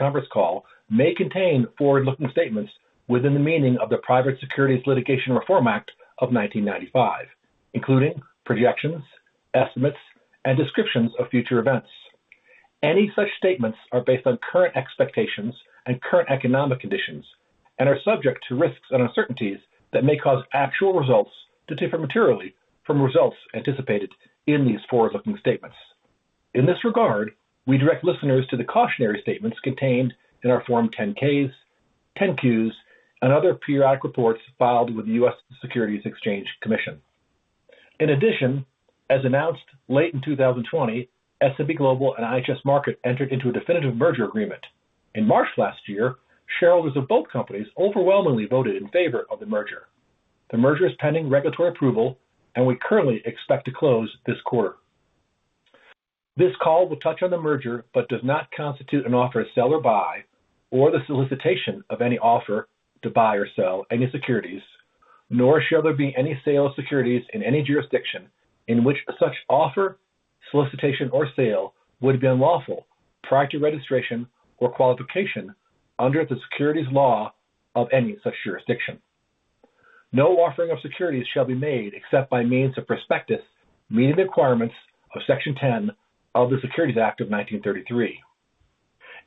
Conference call may contain forward-looking statements within the meaning of the Private Securities Litigation Reform Act of 1995, including projections, estimates, and descriptions of future events. Any such statements are based on current expectations and current economic conditions and are subject to risks and uncertainties that may cause actual results to differ materially from results anticipated in these forward-looking statements. In this regard, we direct listeners to the cautionary statements contained in our Form 10-Ks, 10-Qs, and other periodic reports filed with the U.S. Securities and Exchange Commission. In addition, as announced late in 2020, S&P Global and IHS Markit entered into a definitive merger agreement. In March last year, shareholders of both companies overwhelmingly voted in favor of the merger. The merger is pending regulatory approval, and we currently expect to close this quarter. This call will touch on the merger, but does not constitute an offer to sell or buy, or the solicitation of any offer to buy or sell any securities. Nor shall there be any sale of securities in any jurisdiction in which such offer, solicitation, or sale would be unlawful prior to registration or qualification under the securities law of any such jurisdiction. No offering of securities shall be made except by means of prospectus, meeting the requirements of Section 10 of the Securities Act of 1933.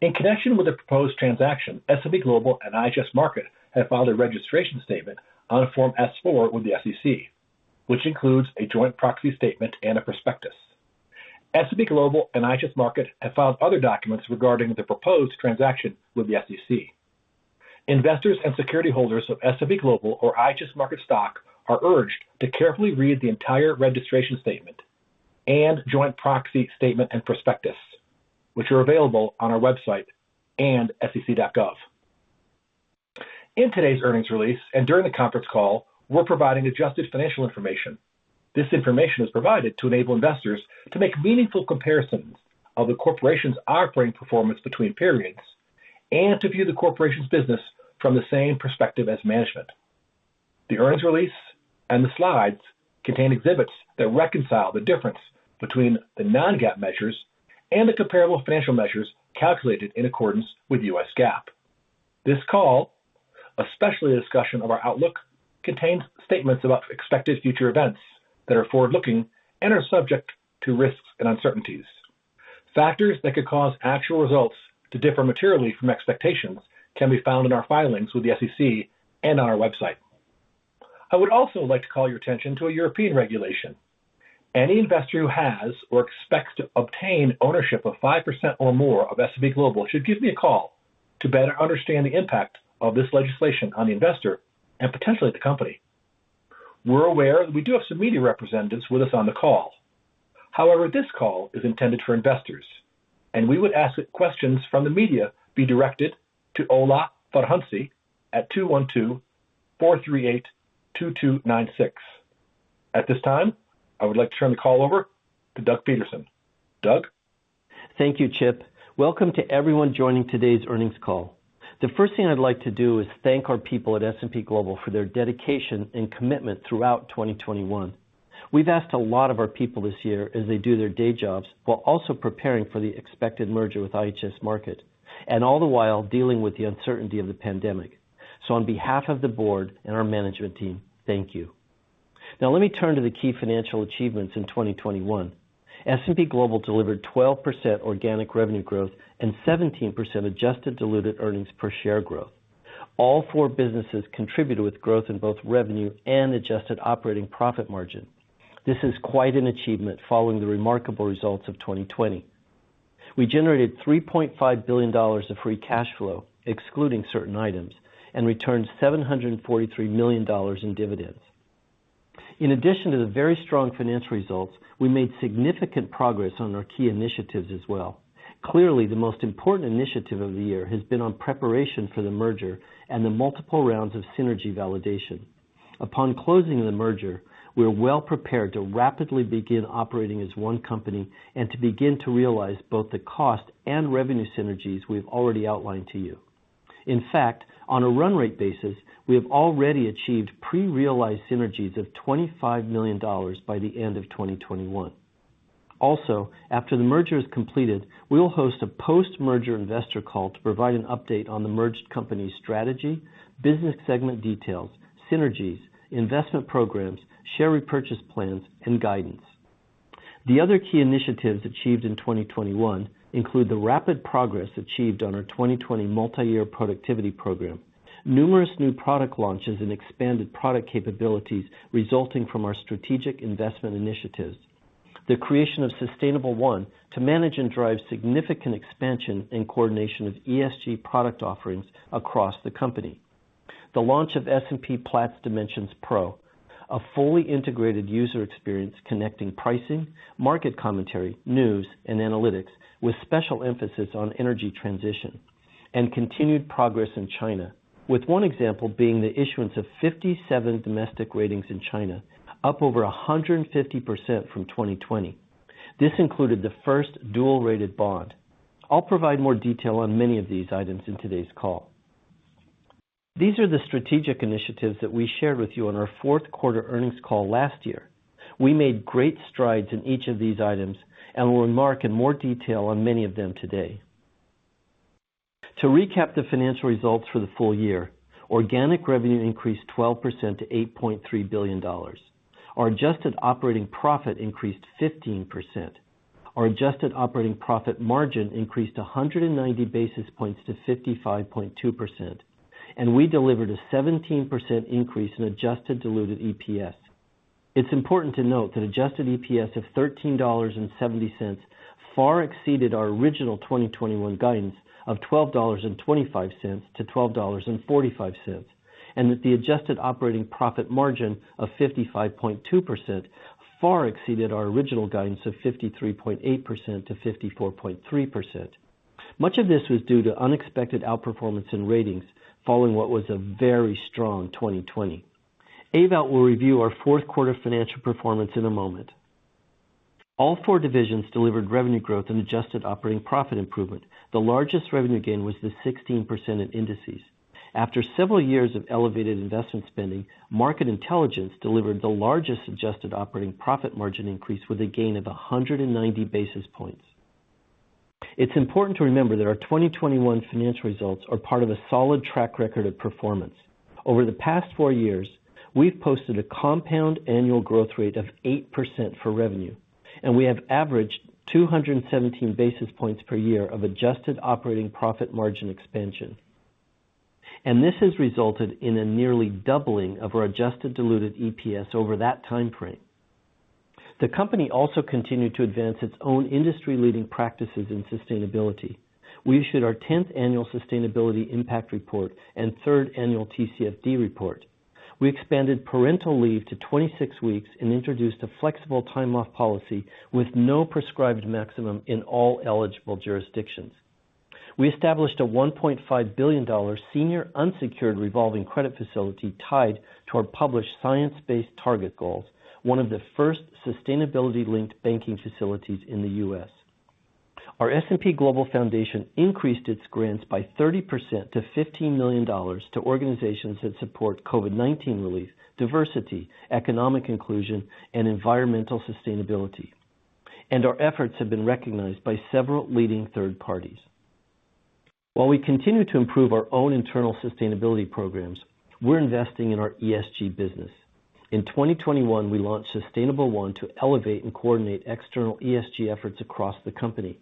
In connection with the proposed transaction, S&P Global and IHS Markit have filed a registration statement on a Form S-4 with the SEC, which includes a joint proxy statement and a prospectus. S&P Global and IHS Markit have filed other documents regarding the proposed transaction with the SEC. Investors and security holders of S&P Global or IHS Markit stock are urged to carefully read the entire registration statement and joint proxy statement and prospectus, which are available on our website and sec.gov. In today's earnings release and during the conference call, we're providing adjusted financial information. This information is provided to enable investors to make meaningful comparisons of the corporation's operating performance between periods and to view the corporation's business from the same perspective as management. The earnings release and the slides contain exhibits that reconcile the difference between the non-GAAP measures and the comparable financial measures calculated in accordance with U.S. GAAP. This call, especially the discussion of our outlook, contains statements about expected future events that are forward-looking and are subject to risks and uncertainties. Factors that could cause actual results to differ materially from expectations can be found in our filings with the SEC and on our website. I would also like to call your attention to a European regulation. Any investor who has or expects to obtain ownership of 5% or more of S&P Global should give me a call to better understand the impact of this legislation on the investor and potentially the company. We're aware that we do have some media representatives with us on the call. However, this call is intended for investors, and we would ask that questions from the media be directed to Ola Fadahunsi at 212-438-2296. At this time, I would like to turn the call over to Doug Peterson. Doug? Thank you, Chip. Welcome to everyone joining today's earnings call. The first thing I'd like to do is thank our people at S&P Global for their dedication and commitment throughout 2021. We've asked a lot of our people this year as they do their day jobs while also preparing for the expected merger with IHS Markit, and all the while dealing with the uncertainty of the pandemic. On behalf of the board and our management team, thank you. Now let me turn to the key financial achievements in 2021. S&P Global delivered 12% organic revenue growth and 17% adjusted diluted earnings per share growth. All four businesses contributed with growth in both revenue and adjusted operating profit margin. This is quite an achievement following the remarkable results of 2020. We generated $3.5 billion of free cash flow, excluding certain items, and returned $743 million in dividends. In addition to the very strong financial results, we made significant progress on our key initiatives as well. Clearly, the most important initiative of the year has been on preparation for the merger and the multiple rounds of synergy validation. Upon closing the merger, we're well-prepared to rapidly begin operating as one company and to begin to realize both the cost and revenue synergies we have already outlined to you. In fact, on a run rate basis, we have already achieved pre-realized synergies of $25 million by the end of 2021. Also, after the merger is completed, we will host a post-merger investor call to provide an update on the merged company's strategy, business segment details, synergies, investment programs, share repurchase plans, and guidance. The other key initiatives achieved in 2021 include the rapid progress achieved on our 2020 multi-year productivity program. Numerous new product launches and expanded product capabilities resulting from our strategic investment initiatives. The creation of Sustainable1 to manage and drive significant expansion and coordination of ESG product offerings across the company. The launch of S&P Platts Dimensions Pro, a fully integrated user experience connecting pricing, market commentary, news, and analytics with special emphasis on energy transition and continued progress in China. With one example being the issuance of 57 domestic ratings in China, up over 150% from 2020. This included the first dual-rated bond. I'll provide more detail on many of these items in today's call. These are the strategic initiatives that we shared with you on our fourth quarter earnings call last year. We made great strides in each of these items, and we'll remark in more detail on many of them today. To recap the financial results for the full year, organic revenue increased 12% to $8.3 billion. Our adjusted operating profit increased 15%. Our adjusted operating profit margin increased 190 basis points to 55.2%, and we delivered a 17% increase in adjusted diluted EPS. It's important to note that adjusted EPS of $13.70 far exceeded our original 2021 guidance of $12.25-$12.45, and that the adjusted operating profit margin of 55.2% far exceeded our original guidance of 53.8%-54.3%. Much of this was due to unexpected outperformance in Ratings following what was a very strong 2020. Ewout will review our fourth quarter financial performance in a moment. All four divisions delivered revenue growth and adjusted operating profit improvement. The largest revenue gain was the 16% in Indices. After several years of elevated investment spending, Market Intelligence delivered the largest adjusted operating profit margin increase with a gain of 190 basis points. It's important to remember that our 2021 financial results are part of a solid track record of performance. Over the past four years, we've posted a compound annual growth rate of 8% for revenue, and we have averaged 217 basis points per year of adjusted operating profit margin expansion. This has resulted in a nearly doubling of our adjusted diluted EPS over that timeframe. The company also continued to advance its own industry-leading practices in sustainability. We issued our 10th annual sustainability impact report and third annual TCFD report. We expanded parental leave to 26 weeks and introduced a flexible time off policy with no prescribed maximum in all eligible jurisdictions. We established a $1.5 billion senior unsecured revolving credit facility tied to our published science-based target goals, one of the first sustainability-linked banking facilities in the U.S. Our S&P Global Foundation increased its grants by 30% to $15 million to organizations that support COVID-19 relief, diversity, economic inclusion, and environmental sustainability. Our efforts have been recognized by several leading third parties. While we continue to improve our own internal sustainability programs, we're investing in our ESG business. In 2021, we launched Sustainable1 to elevate and coordinate external ESG efforts across the company.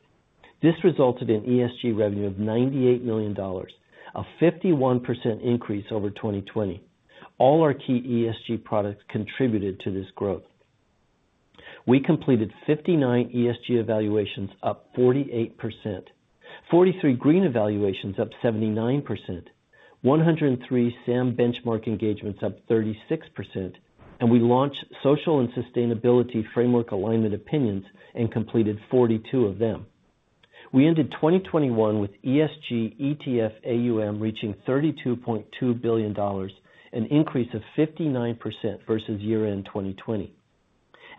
This resulted in ESG revenue of $98 million, a 51% increase over 2020. All our key ESG products contributed to this growth. We completed 59 ESG evaluations, up 48%, 43 green evaluations, up 79%, 103 SAM benchmark engagements, up 36%, and we launched social and sustainability framework alignment opinions and completed 42 of them. We ended 2021 with ESG ETF AUM reaching $32.2 billion, an increase of 59% versus year-end 2020.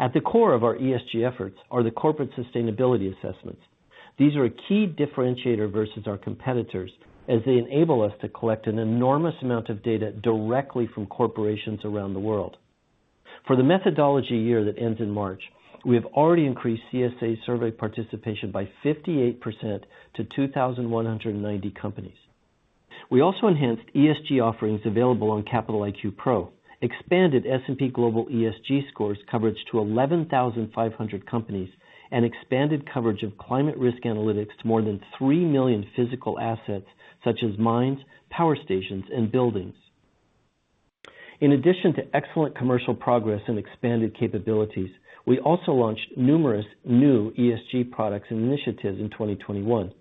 At the core of our ESG efforts are the corporate sustainability assessments. These are a key differentiator versus our competitors as they enable us to collect an enormous amount of data directly from corporations around the world. For the methodology year that ends in March, we have already increased CSA survey participation by 58% to 2,190 companies. We also enhanced ESG offerings available on Capital IQ Pro, expanded S&P Global ESG scores coverage to 11,500 companies, and expanded coverage of climate risk analytics to more than 3 million physical assets such as mines, power stations, and buildings. In addition to excellent commercial progress and expanded capabilities, we also launched numerous new ESG products and initiatives in 2021.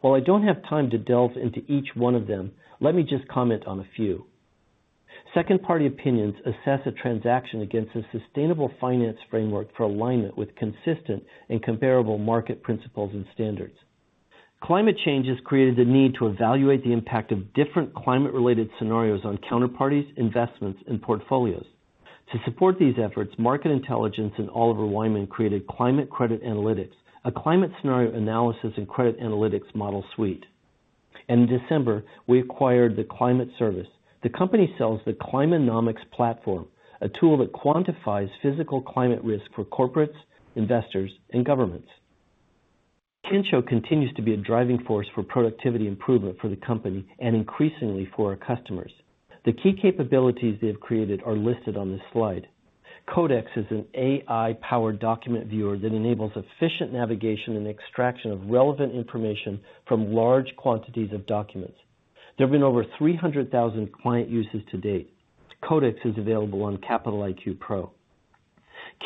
While I don't have time to delve into each one of them, let me just comment on a few. Second party opinions assess a transaction against a sustainable finance framework for alignment with consistent and comparable market principles and standards. Climate change has created the need to evaluate the impact of different climate-related scenarios on counterparties, investments, and portfolios. To support these efforts, Market Intelligence and Oliver Wyman created Climate Credit Analytics, a climate scenario analysis and credit analytics model suite. In December, we acquired The Climate Service. The company sells the Climanomics platform, a tool that quantifies physical climate risk for corporates, investors, and governments. Kensho continues to be a driving force for productivity improvement for the company and increasingly for our customers. The key capabilities they have created are listed on this slide. Codex is an AI-powered document viewer that enables efficient navigation and extraction of relevant information from large quantities of documents. There have been over 300,000 client uses to date. Codex is available on S&P Capital IQ Pro.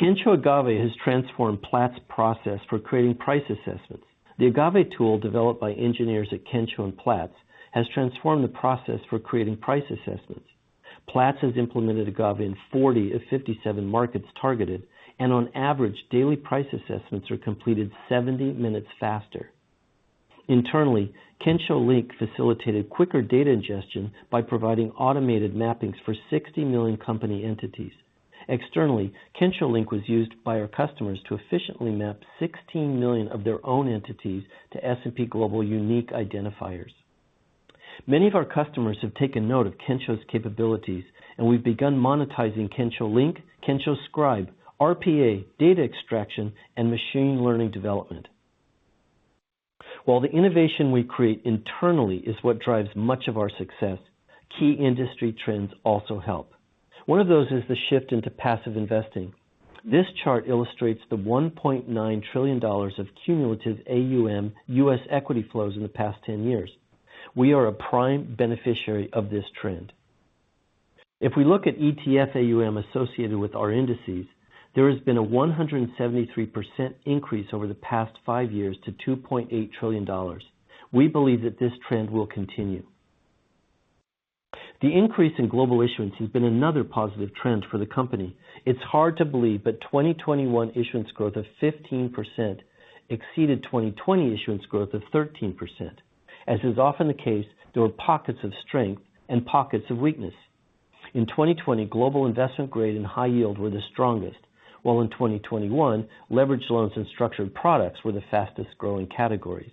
Kensho Agave has transformed Platts process for creating price assessments. The Agave tool developed by engineers at Kensho and Platts has transformed the process for creating price assessments. Platts has implemented Agave in 40 of 57 markets targeted, and on average, daily price assessments are completed 70 minutes faster. Internally, Kensho Link facilitated quicker data ingestion by providing automated mappings for 60 million company entities. Externally, Kensho Link was used by our customers to efficiently map 16 million of their own entities to S&P Global unique identifiers. Many of our customers have taken note of Kensho's capabilities, and we've begun monetizing Kensho Link, Kensho Scribe, RPA, data extraction, and machine learning development. While the innovation we create internally is what drives much of our success, key industry trends also help. One of those is the shift into passive investing. This chart illustrates the $1.9 trillion of cumulative AUM U.S. equity flows in the past 10 years. We are a prime beneficiary of this trend. If we look at ETF AUM associated with our indices, there has been a 173% increase over the past five years to $2.8 trillion. We believe that this trend will continue. The increase in global issuance has been another positive trend for the company. It's hard to believe that 2021 issuance growth of 15% exceeded 2020 issuance growth of 13%. As is often the case, there were pockets of strength and pockets of weakness. In 2020, global investment grade and high yield were the strongest, while in 2021, leveraged loans and structured products were the fastest-growing categories.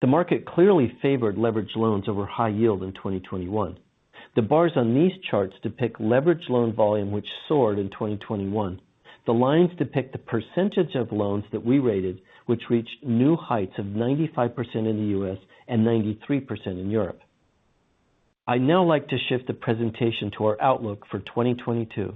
The market clearly favored leveraged loans over high yield in 2021. The bars on these charts depict leveraged loan volume which soared in 2021. The lines depict the percentage of loans that we rated, which reached new heights of 95% in the U.S. and 93% in Europe. I'd now like to shift the presentation to our outlook for 2022.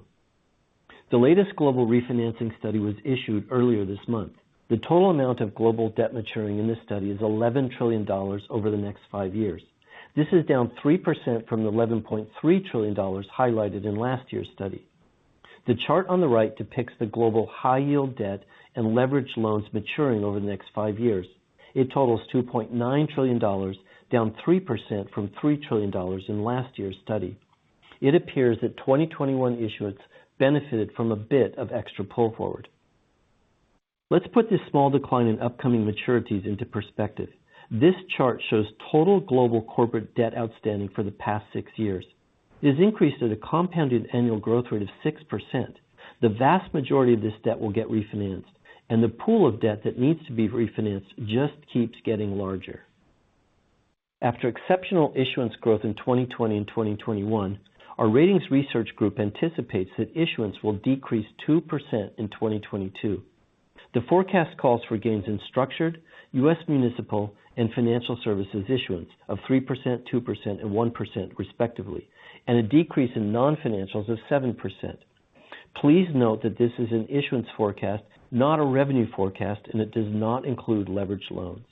The latest global refinancing study was issued earlier this month. The total amount of global debt maturing in this study is $11 trillion over the next five years. This is down 3% from $11.3 trillion highlighted in last year's study. The chart on the right depicts the global high yield debt and leveraged loans maturing over the next five years. It totals $2.9 trillion, down 3% from $3 trillion in last year's study. It appears that 2021 issuance benefited from a bit of extra pull forward. Let's put this small decline in upcoming maturities into perspective. This chart shows total global corporate debt outstanding for the past six years. It has increased at a compounded annual growth rate of 6%. The vast majority of this debt will get refinanced, and the pool of debt that needs to be refinanced just keeps getting larger. After exceptional issuance growth in 2020 and 2021, our ratings research group anticipates that issuance will decrease 2% in 2022. The forecast calls for gains in structured, U.S. municipal, and financial services issuance of 3%, 2%, and 1% respectively, and a decrease in non-financials of 7%. Please note that this is an issuance forecast, not a revenue forecast, and it does not include leveraged loans.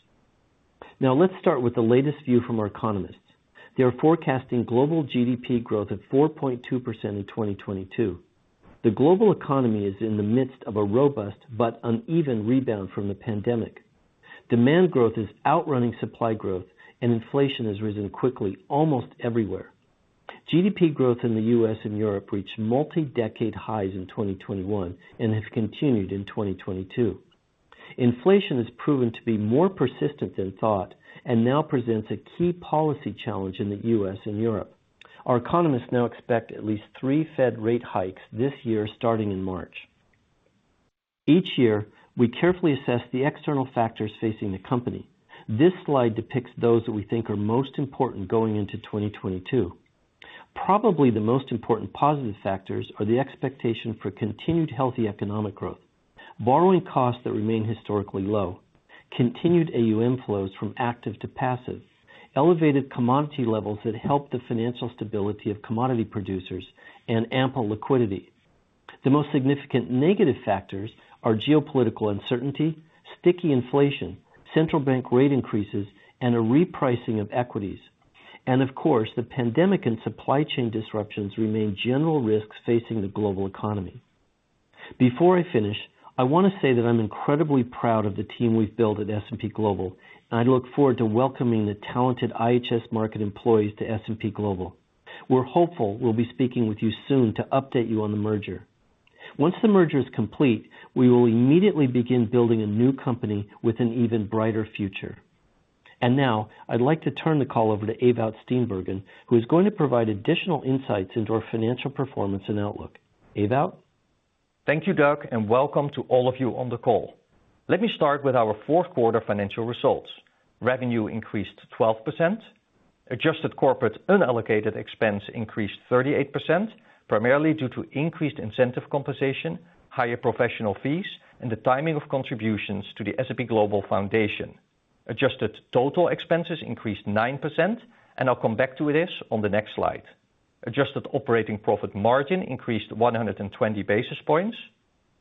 Now let's start with the latest view from our economists. They are forecasting global GDP growth of 4.2% in 2022. The global economy is in the midst of a robust but uneven rebound from the pandemic. Demand growth is outrunning supply growth, and inflation has risen quickly almost everywhere. GDP growth in the U.S. and Europe reached multi-decade highs in 2021 and has continued in 2022. Inflation has proven to be more persistent than thought and now presents a key policy challenge in the U.S. and Europe. Our economists now expect at least three Fed rate hikes this year starting in March. Each year, we carefully assess the external factors facing the company. This slide depicts those that we think are most important going into 2022. Probably the most important positive factors are the expectation for continued healthy economic growth, borrowing costs that remain historically low, continued AUM flows from active to passive, elevated commodity levels that help the financial stability of commodity producers, and ample liquidity. The most significant negative factors are geopolitical uncertainty, sticky inflation, central bank rate increases, and a repricing of equities. Of course, the pandemic and supply chain disruptions remain general risks facing the global economy. Before I finish, I want to say that I'm incredibly proud of the team we've built at S&P Global, and I look forward to welcoming the talented IHS Markit employees to S&P Global. We're hopeful we'll be speaking with you soon to update you on the merger. Once the merger is complete, we will immediately begin building a new company with an even brighter future. Now I'd like to turn the call over to Ewout Steenbergen, who is going to provide additional insights into our financial performance and outlook. Ewout. Thank you, Doug, and welcome to all of you on the call. Let me start with our fourth quarter financial results. Revenue increased 12%. Adjusted corporate unallocated expense increased 38%, primarily due to increased incentive compensation, higher professional fees, and the timing of contributions to the S&P Global Foundation. Adjusted total expenses increased 9%, and I'll come back to this on the next slide. Adjusted operating profit margin increased 120 basis points.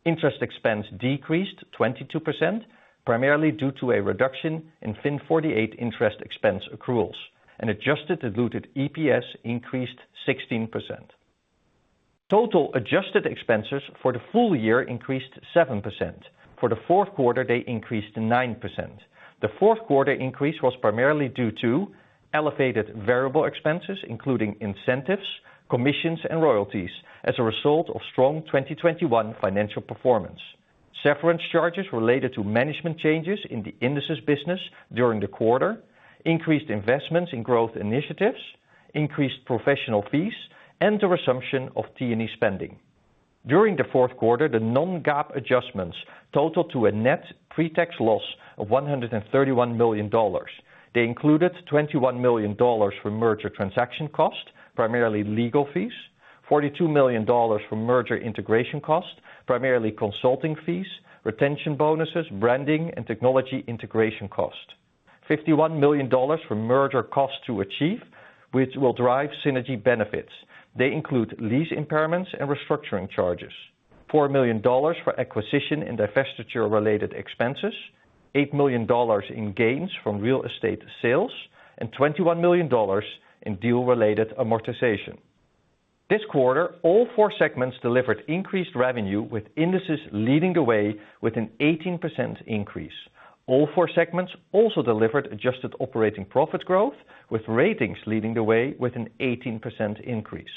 Interest expense decreased 22%, primarily due to a reduction in FIN 48 interest expense accruals. Adjusted diluted EPS increased 16%. Total adjusted expenses for the full year increased 7%. For the fourth quarter, they increased 9%. The fourth quarter increase was primarily due to elevated variable expenses, including incentives, commissions, and royalties as a result of strong 2021 financial performance, severance charges related to management changes in the indices business during the quarter, increased investments in growth initiatives, increased professional fees, and the resumption of T&E spending. During the fourth quarter, the non-GAAP adjustments totaled to a net pretax loss of $131 million. They included $21 million from merger transaction costs, primarily legal fees. $42 million from merger integration costs, primarily consulting fees, retention bonuses, branding, and technology integration costs. $51 million from merger costs to achieve, which will drive synergy benefits. They include lease impairments and restructuring charges. $4 million for acquisition and divestiture-related expenses, $8 million in gains from real estate sales, and $21 million in deal-related amortization. This quarter, all four segments delivered increased revenue, with Indices leading the way with an 18% increase. All four segments also delivered adjusted operating profit growth, with Ratings leading the way with an 18% increase.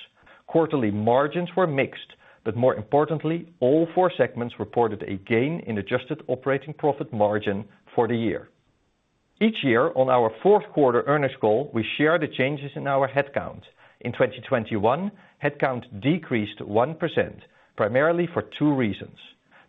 Quarterly margins were mixed, but more importantly, all four segments reported a gain in adjusted operating profit margin for the year. Each year on our fourth quarter earnings call, we share the changes in our headcount. In 2021, headcount decreased 1%, primarily for two reasons.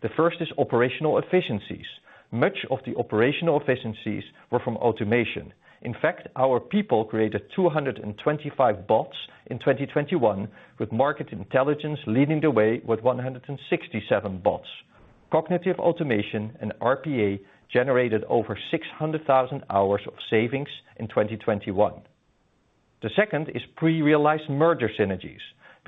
The first is operational efficiencies. Much of the operational efficiencies were from automation. In fact, our people created 225 bots in 2021, with Market Intelligence leading the way with 167 bots. Cognitive automation and RPA generated over 600,000 hours of savings in 2021. The second is pre-realized merger synergies.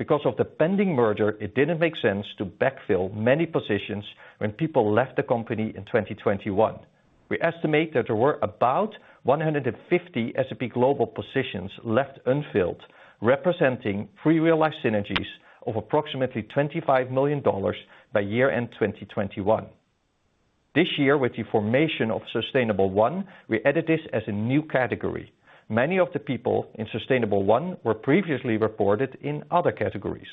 Because of the pending merger, it didn't make sense to backfill many positions when people left the company in 2021. We estimate that there were about 150 S&P Global positions left unfilled, representing pre-realized synergies of approximately $25 million by year-end 2021. This year, with the formation of Sustainable1, we added this as a new category. Many of the people in Sustainable1 were previously reported in other categories.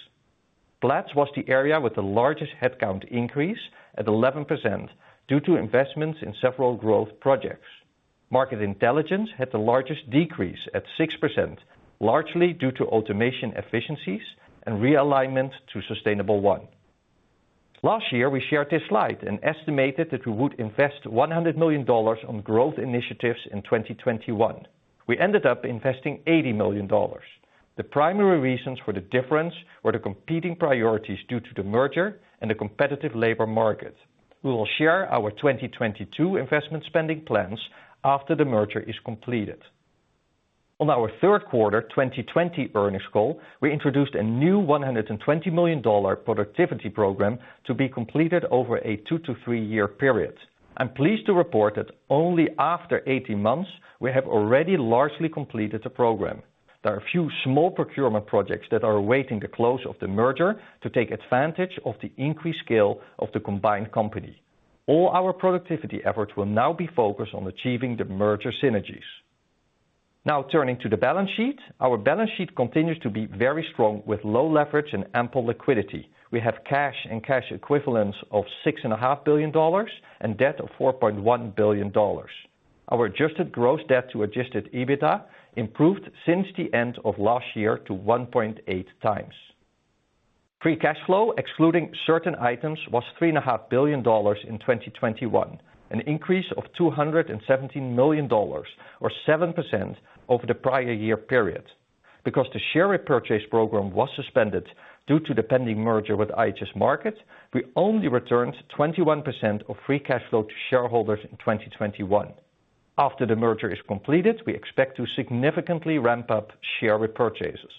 Platts was the area with the largest headcount increase at 11% due to investments in several growth projects. Market Intelligence had the largest decrease at 6%, largely due to automation efficiencies and realignment to Sustainable1. Last year, we shared this slide and estimated that we would invest $100 million on growth initiatives in 2021. We ended up investing $80 million. The primary reasons for the difference were the competing priorities due to the merger and the competitive labor market. We will share our 2022 investment spending plans after the merger is completed. On our third quarter 2020 earnings call, we introduced a new $120 million productivity program to be completed over a two to three year period. I'm pleased to report that only after 18 months, we have already largely completed the program. There are a few small procurement projects that are awaiting the close of the merger to take advantage of the increased scale of the combined company. All our productivity efforts will now be focused on achieving the merger synergies. Now turning to the balance sheet. Our balance sheet continues to be very strong with low leverage and ample liquidity. We have cash and cash equivalents of $6 and a half billion and debt of $4.1 billion. Our adjusted gross debt to adjusted EBITDA improved since the end of last year to 1.8x. Free cash flow, excluding certain items, was $3 and a half billion in 2021, an increase of $217 million or 7% over the prior year period. Because the share repurchase program was suspended due to the pending merger with IHS Markit, we only returned 21% of free cash flow to shareholders in 2021. After the merger is completed, we expect to significantly ramp up share repurchases.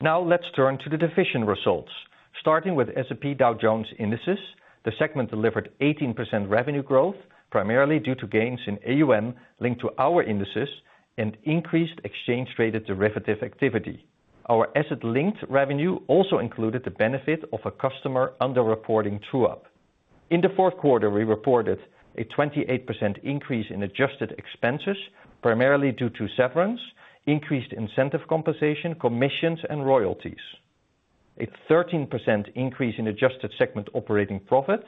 Now let's turn to the division results. Starting with S&P Dow Jones Indices, the segment delivered 18% revenue growth, primarily due to gains in AUM linked to our indices and increased exchange-traded derivative activity. Our asset linked revenue also included the benefit of a customer under-reporting true up. In the fourth quarter, we reported a 28% increase in adjusted expenses, primarily due to severance, increased incentive compensation, commissions, and royalties, a 13% increase in adjusted segment operating profit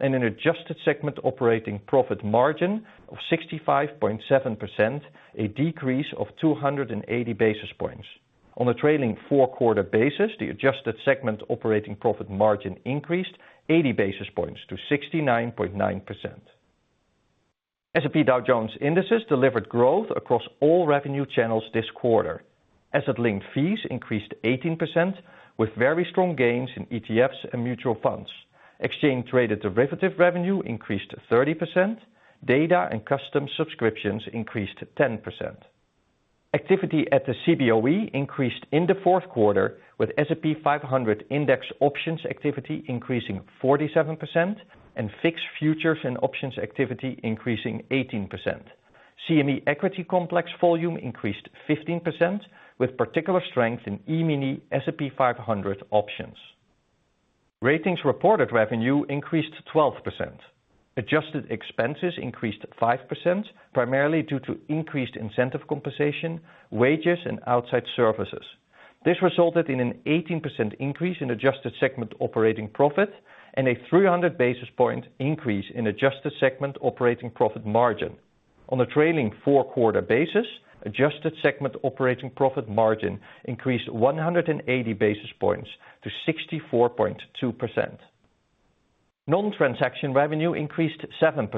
and an adjusted segment operating profit margin of 65.7%, a decrease of 280 basis points. On a trailing four-quarter basis, the adjusted segment operating profit margin increased 80 basis points to 69.9%. S&P Dow Jones Indices delivered growth across all revenue channels this quarter. Asset link fees increased 18% with very strong gains in ETFs and mutual funds. Exchange-traded derivative revenue increased 30%. Data and custom subscriptions increased 10%. Activity at the Cboe increased in the fourth quarter with S&P 500 index options activity increasing 47% and fixed futures and options activity increasing 18%. CME equity complex volume increased 15% with particular strength in E-mini S&P 500 options. Ratings reported revenue increased 12%. Adjusted expenses increased 5%, primarily due to increased incentive compensation, wages, and outside services. This resulted in an 18% increase in adjusted segment operating profit and a 300 basis point increase in adjusted segment operating profit margin. On a trailing four-quarter basis, adjusted segment operating profit margin increased 180 basis points to 64.2%. Nontransaction revenue increased 7%,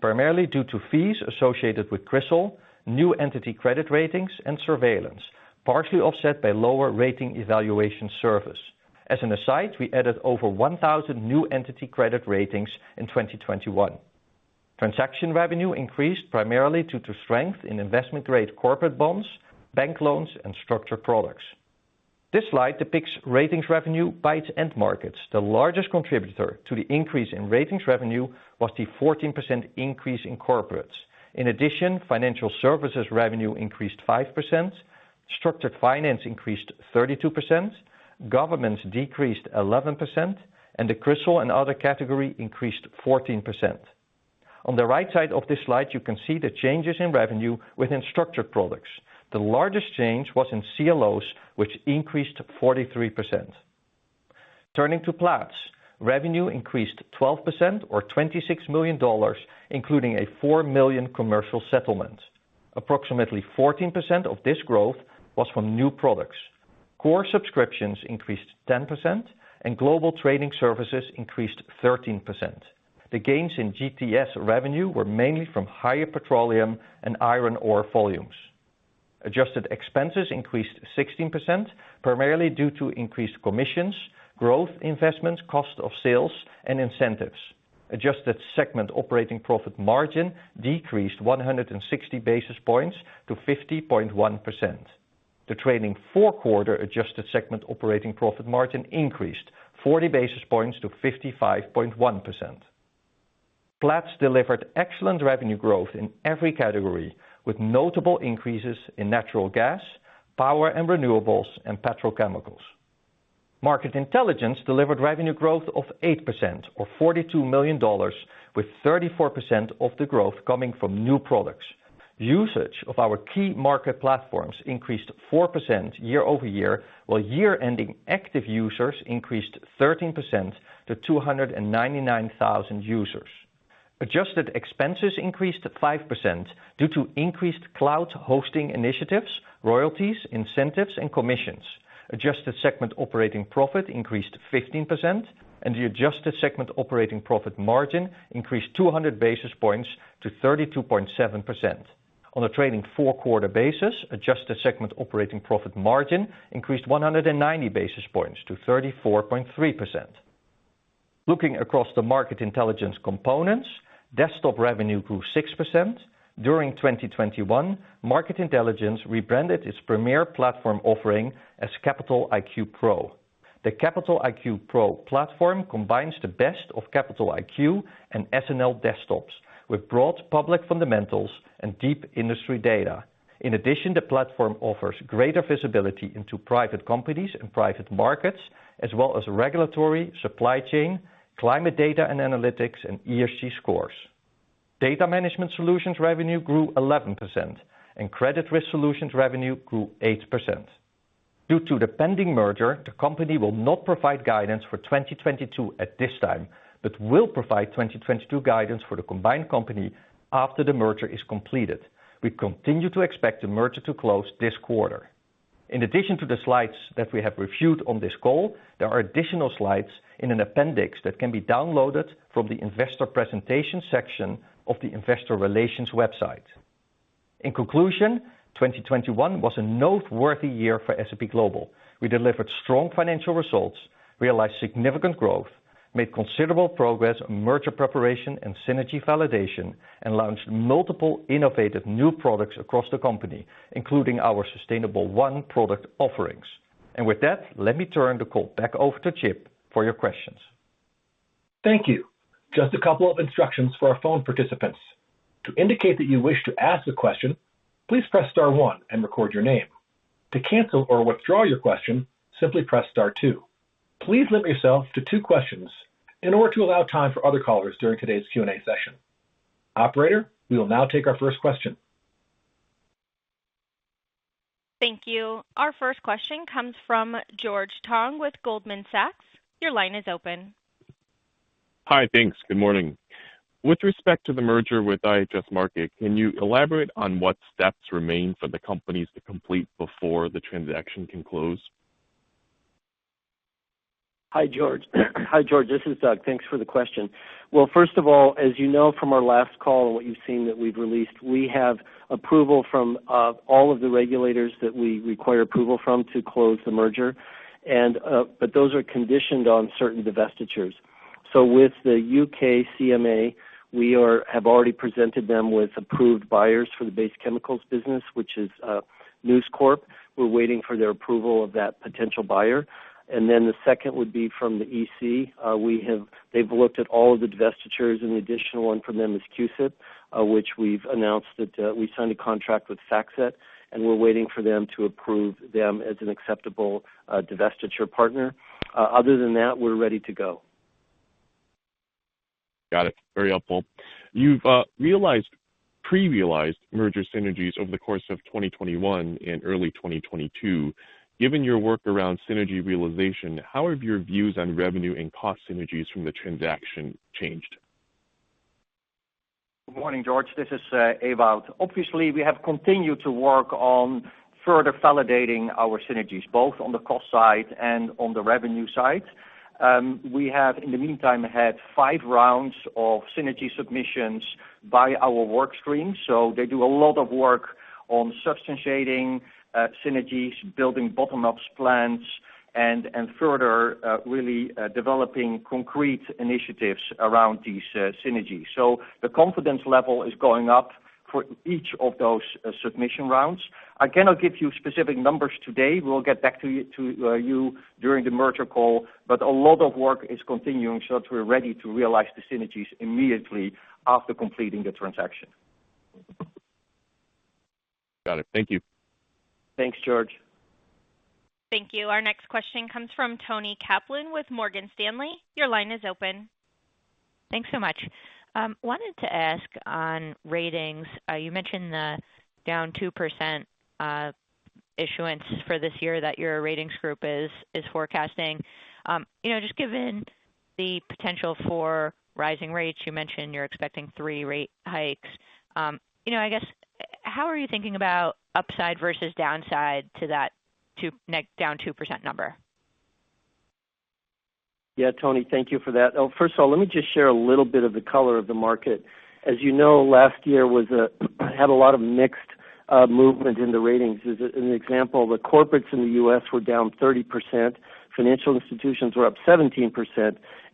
primarily due to fees associated with CRISIL, new entity credit ratings, and surveillance, partially offset by lower rating evaluation service. As an aside, we added over 1,000 new entity credit ratings in 2021. Transaction revenue increased primarily due to strength in investment-grade corporate bonds, bank loans, and structured products. This slide depicts ratings revenue by its end markets. The largest contributor to the increase in ratings revenue was the 14% increase in corporates. In addition, financial services revenue increased 5%, structured finance increased 32%, governments decreased 11%, and the CRISIL and other category increased 14%. On the right side of this slide, you can see the changes in revenue within structured products. The largest change was in CLOs, which increased 43%. Turning to Platts, revenue increased 12% or $26 million, including a $4 million commercial settlement. Approximately 14% of this growth was from new products. Core subscriptions increased 10%, and global trading services increased 13%. The gains in GTS revenue were mainly from higher petroleum and iron ore volumes. Adjusted expenses increased 16%, primarily due to increased commissions, growth investments, cost of sales, and incentives. Adjusted segment operating profit margin decreased 160 basis points to 50.1%. The trailing four-quarter adjusted segment operating profit margin increased 40 basis points to 55.1%. Platts delivered excellent revenue growth in every category, with notable increases in natural gas, power and renewables, and petrochemicals. Market Intelligence delivered revenue growth of 8% or $42 million, with 34% of the growth coming from new products. Usage of our key market platforms increased 4% year-over-year, while year-ending active users increased 13% to 299,000 users. Adjusted expenses increased 5% due to increased cloud hosting initiatives, royalties, incentives, and commissions. Adjusted segment operating profit increased 15%, and the adjusted segment operating profit margin increased 200 basis points to 32.7%. On a trailing four-quarter basis, adjusted segment operating profit margin increased 190 basis points to 34.3%. Looking across the Market Intelligence components, desktop revenue grew 6%. During 2021, Market Intelligence rebranded its premier platform offering as Capital IQ Pro. The Capital IQ Pro platform combines the best of Capital IQ and SNL Desktops with broad public fundamentals and deep industry data. In addition, the platform offers greater visibility into private companies and private markets, as well as regulatory, supply chain, climate data and analytics, and ESG scores. Data Management Solutions revenue grew 11%, and Credit Risk Solutions revenue grew 8%. Due to the pending merger, the company will not provide guidance for 2022 at this time, but will provide 2022 guidance for the combined company after the merger is completed. We continue to expect the merger to close this quarter. In addition to the slides that we have reviewed on this call, there are additional slides in an appendix that can be downloaded from the Investor Presentation section of the investor relations website. In conclusion, 2021 was a noteworthy year for S&P Global. We delivered strong financial results, realized significant growth, made considerable progress on merger preparation and synergy validation, and launched multiple innovative new products across the company, including our Sustainable1 product offerings. With that, let me turn the call back over to Chip for your questions. Thank you. Just a couple of instructions for our phone participants. To indicate that you wish to ask a question, please press star one and record your name. To cancel or withdraw your question, simply press star two. Please limit yourself to two questions in order to allow time for other callers during today's Q&A session. Operator, we will now take our first question. Thank you. Our first question comes from George Tong with Goldman Sachs. Your line is open. Hi. Thanks. Good morning. With respect to the merger with IHS Markit, can you elaborate on what steps remain for the companies to complete before the transaction can close? Hi, George, this is Doug. Thanks for the question. Well, first of all, as you know from our last call and what you've seen that we've released, we have approval from all of the regulators that we require approval from to close the merger and but those are conditioned on certain divestitures. With the U.K. CMA, we have already presented them with approved buyers for the Base Chemicals business, which is News Corp. We're waiting for their approval of that potential buyer. Then the second would be from the EC. They've looked at all of the divestitures, and the additional one from them is CUSIP, which we've announced that we signed a contract with FactSet, and we're waiting for them to approve them as an acceptable divestiture partner. Other than that, we're ready to go. Got it. Very helpful. You've pre-realized merger synergies over the course of 2021 and early 2022. Given your work around synergy realization, how have your views on revenue and cost synergies from the transaction changed? Good morning, George. This is Ewout. Obviously, we have continued to work on further validating our synergies, both on the cost side and on the revenue side. We have, in the meantime, had five rounds of synergy submissions by our work stream. They do a lot of work on substantiating synergies, building bottom-up plans and further really developing concrete initiatives around these synergies. The confidence level is going up for each of those submission rounds. I cannot give you specific numbers today. We'll get back to you during the merger call, but a lot of work is continuing so that we're ready to realize the synergies immediately after completing the transaction. Got it. Thank you. Thanks, George. Thank you. Our next question comes from Toni Kaplan with Morgan Stanley. Your line is open. Thanks so much. Wanted to ask on ratings. You mentioned the down 2% issuance for this year that your ratings group is forecasting. You know, just given the potential for rising rates, you mentioned you're expecting three rate hikes. You know, I guess, how are you thinking about upside versus downside to that net down 2% number? Yeah. Toni Kaplan, thank you for that. Oh, first of all, let me just share a little bit of the color of the market. As you know, last year had a lot of mixed movement in the ratings. As an example, the corporates in the U.S. were down 30%, financial institutions were up 17%,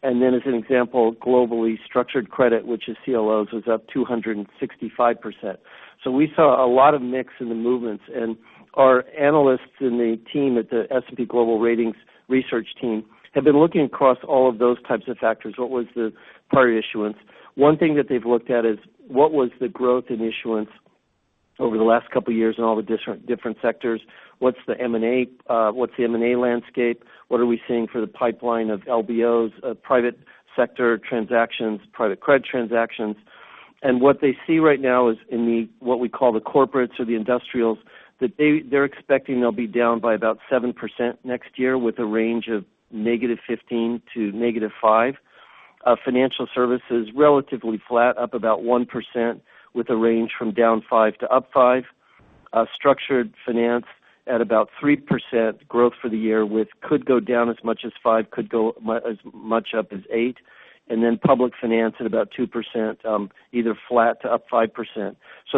and then as an example, globally structured credit, which is CLOs, was up 265%. We saw a lot of mix in the movements. Our analysts in the team at the S&P Global Ratings research team have been looking across all of those types of factors. What was the prior issuance? One thing that they've looked at is what was the growth in issuance over the last couple of years in all the different sectors. What's the M&A landscape? What are we seeing for the pipeline of LBOs, private sector transactions, private credit transactions? What they see right now is in what we call the corporates or the industrials. They're expecting they'll be down by about 7% next year with a range of -15% to -5%. Financial services, relatively flat, up about 1% with a range from down 5% to up 5%. Structured finance at about 3% growth for the year with could go down as much as 5%, could go up as much as 8%. Public finance at about 2%, either flat to up 5%.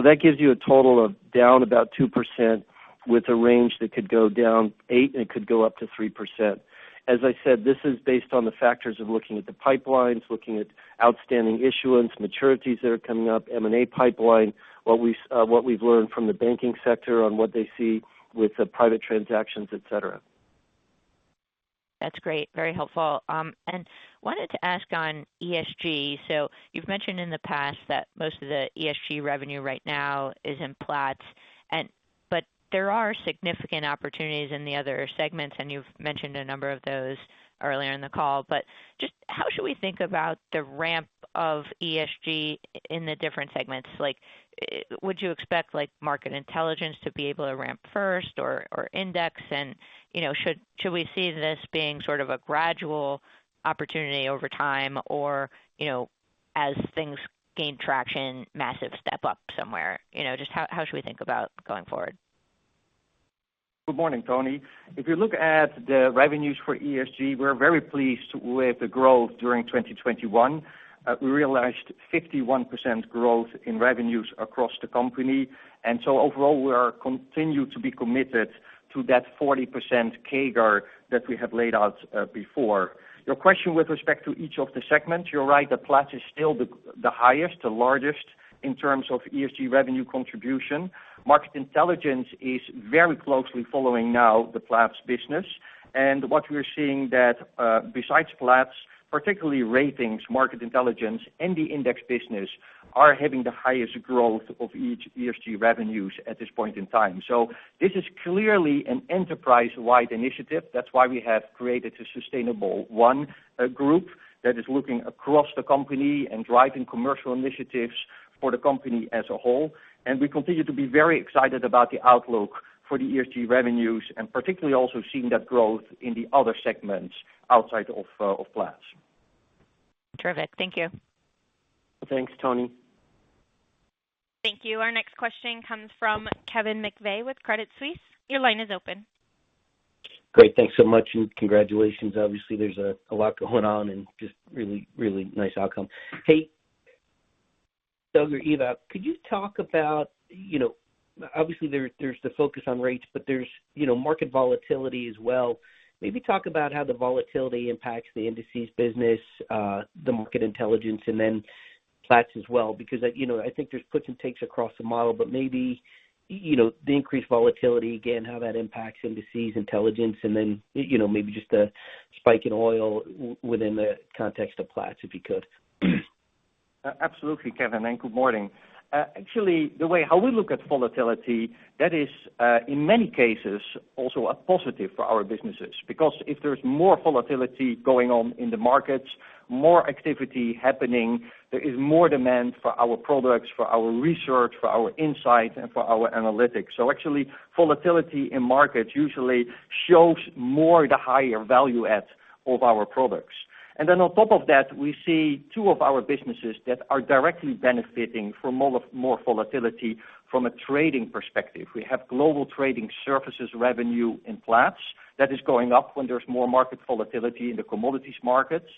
That gives you a total of down about 2% with a range that could go down 8%, and it could go up to 3%. As I said, this is based on the factors of looking at the pipelines, looking at outstanding issuance, maturities that are coming up, M&A pipeline, what we've learned from the banking sector on what they see with the private transactions, et cetera. That's great. Very helpful. Wanted to ask on ESG. You've mentioned in the past that most of the ESG revenue right now is in Platts and but there are significant opportunities in the other segments, and you've mentioned a number of those earlier in the call. Just how should we think about the ramp of ESG in the different segments? Like, would you expect like Market Intelligence to be able to ramp first or Index and, you know, should we see this being sort of a gradual opportunity over time or, you know, as things gain traction, massive step up somewhere? You know, just how should we think about going forward? Good morning, Toni Kaplan. If you look at the revenues for ESG, we're very pleased with the growth during 2021. We realized 51% growth in revenues across the company. Overall, we are continued to be committed to that 40% CAGR that we have laid out before. Your question with respect to each of the segments, you're right that Platts is still the highest, the largest in terms of ESG revenue contribution. Market Intelligence is very closely following now the Platts business. What we're seeing that, besides Platts, particularly Ratings, Market Intelligence and the Index business are having the highest growth of each ESG revenues at this point in time. This is clearly an enterprise-wide initiative. That's why we have created the Sustainable1 Group that is looking across the company and driving commercial initiatives for the company as a whole. We continue to be very excited about the outlook for the ESG revenues, and particularly also seeing that growth in the other segments outside of Platts. Terrific. Thank you. Thanks, Toni. Thank you. Our next question comes from Kevin McVeigh with Credit Suisse. Your line is open. Great. Thanks so much, and congratulations. Obviously, there's a lot going on and just really, really nice outcome. Hey, Doug or Ewout, could you talk about it. You know, obviously there's the focus on rates, but there's, you know, market volatility as well. Maybe talk about how the volatility impacts the Indices business, the Market Intelligence, and then Platts as well. Because, you know, I think there's puts and takes across the model, but maybe, you know, the increased volatility, again, how that impacts Indices intelligence and then, you know, maybe just a spike in oil within the context of Platts, if you could. Absolutely, Kevin, good morning. Actually, the way how we look at volatility, that is, in many cases also a positive for our businesses. Because if there's more volatility going on in the markets, more activity happening, there is more demand for our products, for our research, for our insight, and for our analytics. Actually, volatility in markets usually shows more the higher value add of our products. Then on top of that, we see two of our businesses that are directly benefiting from more volatility from a trading perspective. We have global trading services revenue in Platts that is going up when there's more market volatility in the commodities markets.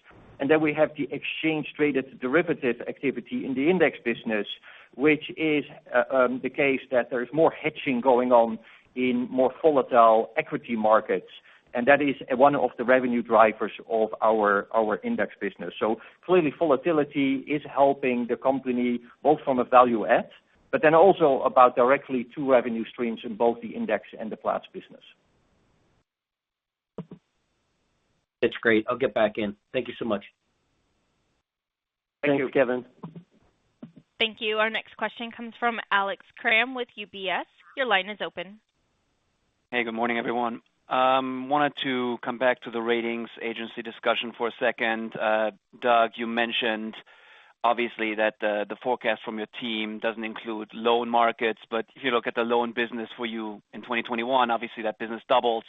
Then we have the exchange-traded derivative activity in the index business, which is the case that there's more hedging going on in more volatile equity markets. That is one of the revenue drivers of our index business. Clearly, volatility is helping the company both from a value add, but then also about directly to two revenue streams in both the index and the Platts business. That's great. I'll get back in. Thank you so much. Thank you, Kevin. Thank you. Our next question comes from Alex Kramm with UBS. Your line is open. Hey, good morning, everyone. Wanted to come back to the ratings agency discussion for a second. Doug, you mentioned obviously that the forecast from your team doesn't include loan markets, but if you look at the loan business for you in 2021, obviously that business doubled.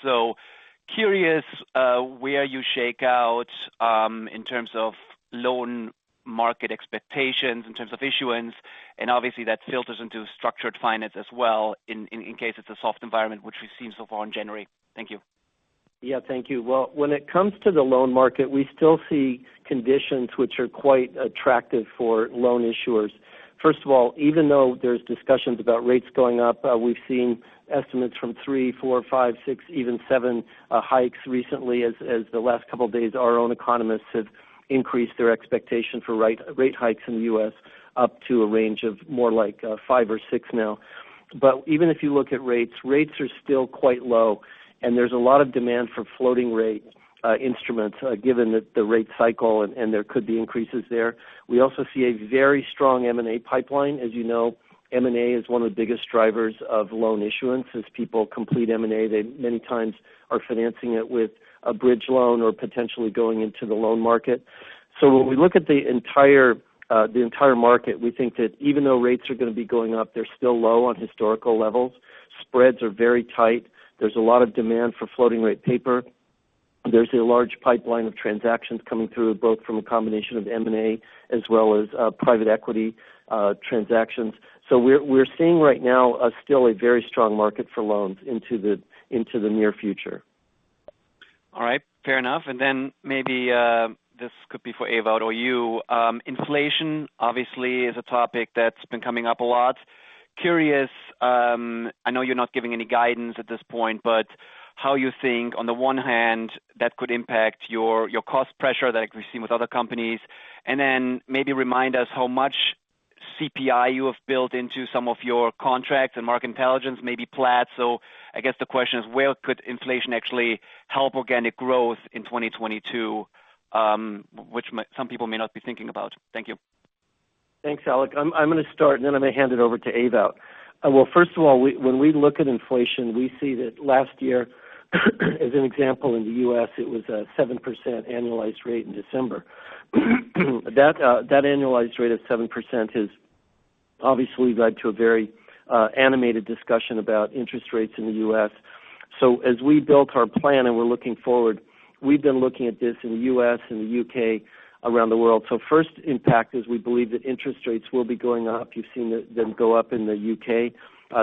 Curious where you shake out in terms of loan market expectations, in terms of issuance, and obviously that filters into structured finance as well in case it's a soft environment, which we've seen so far in January. Thank you. Yeah, thank you. Well, when it comes to the loan market, we still see conditions which are quite attractive for loan issuers. First of all, even though there's discussions about rates going up, we've seen estimates from three, four, five, six, even seven hikes recently. As the last couple of days, our own economists have increased their expectation for rate hikes in the U.S. up to a range of more like five or six now. But even if you look at rates are still quite low, and there's a lot of demand for floating rate instruments given that the rate cycle and there could be increases there. We also see a very strong M&A pipeline. As you know, M&A is one of the biggest drivers of loan issuance. As people complete M&A, they many times are financing it with a bridge loan or potentially going into the loan market. When we look at the entire market, we think that even though rates are gonna be going up, they're still low on historical levels. Spreads are very tight. There's a lot of demand for floating rate paper. There's a large pipeline of transactions coming through, both from a combination of M&A as well as private equity transactions. We're seeing right now still a very strong market for loans into the near future. All right. Fair enough. Maybe this could be for Ewout, or you. Inflation obviously is a topic that's been coming up a lot. Curious, I know you're not giving any guidance at this point, but how you think on the one hand that could impact your cost pressure like we've seen with other companies. Maybe remind us how much CPI you have built into some of your contracts and market intelligence, maybe Platts. I guess the question is, where could inflation actually help organic growth in 2022, which might some people may not be thinking about? Thank you. Thanks, Alex. I'm gonna start and then I'm gonna hand it over to Ewout. Well, first of all, when we look at inflation, we see that last year, as an example in the U.S., it was a 7% annualized rate in December. That annualized rate of 7% has obviously led to a very animated discussion about interest rates in the U.S. As we built our plan, and we're looking forward, we've been looking at this in the U.S. and the U.K. around the world. First impact is we believe that interest rates will be going up. You've seen them go up in the U.K.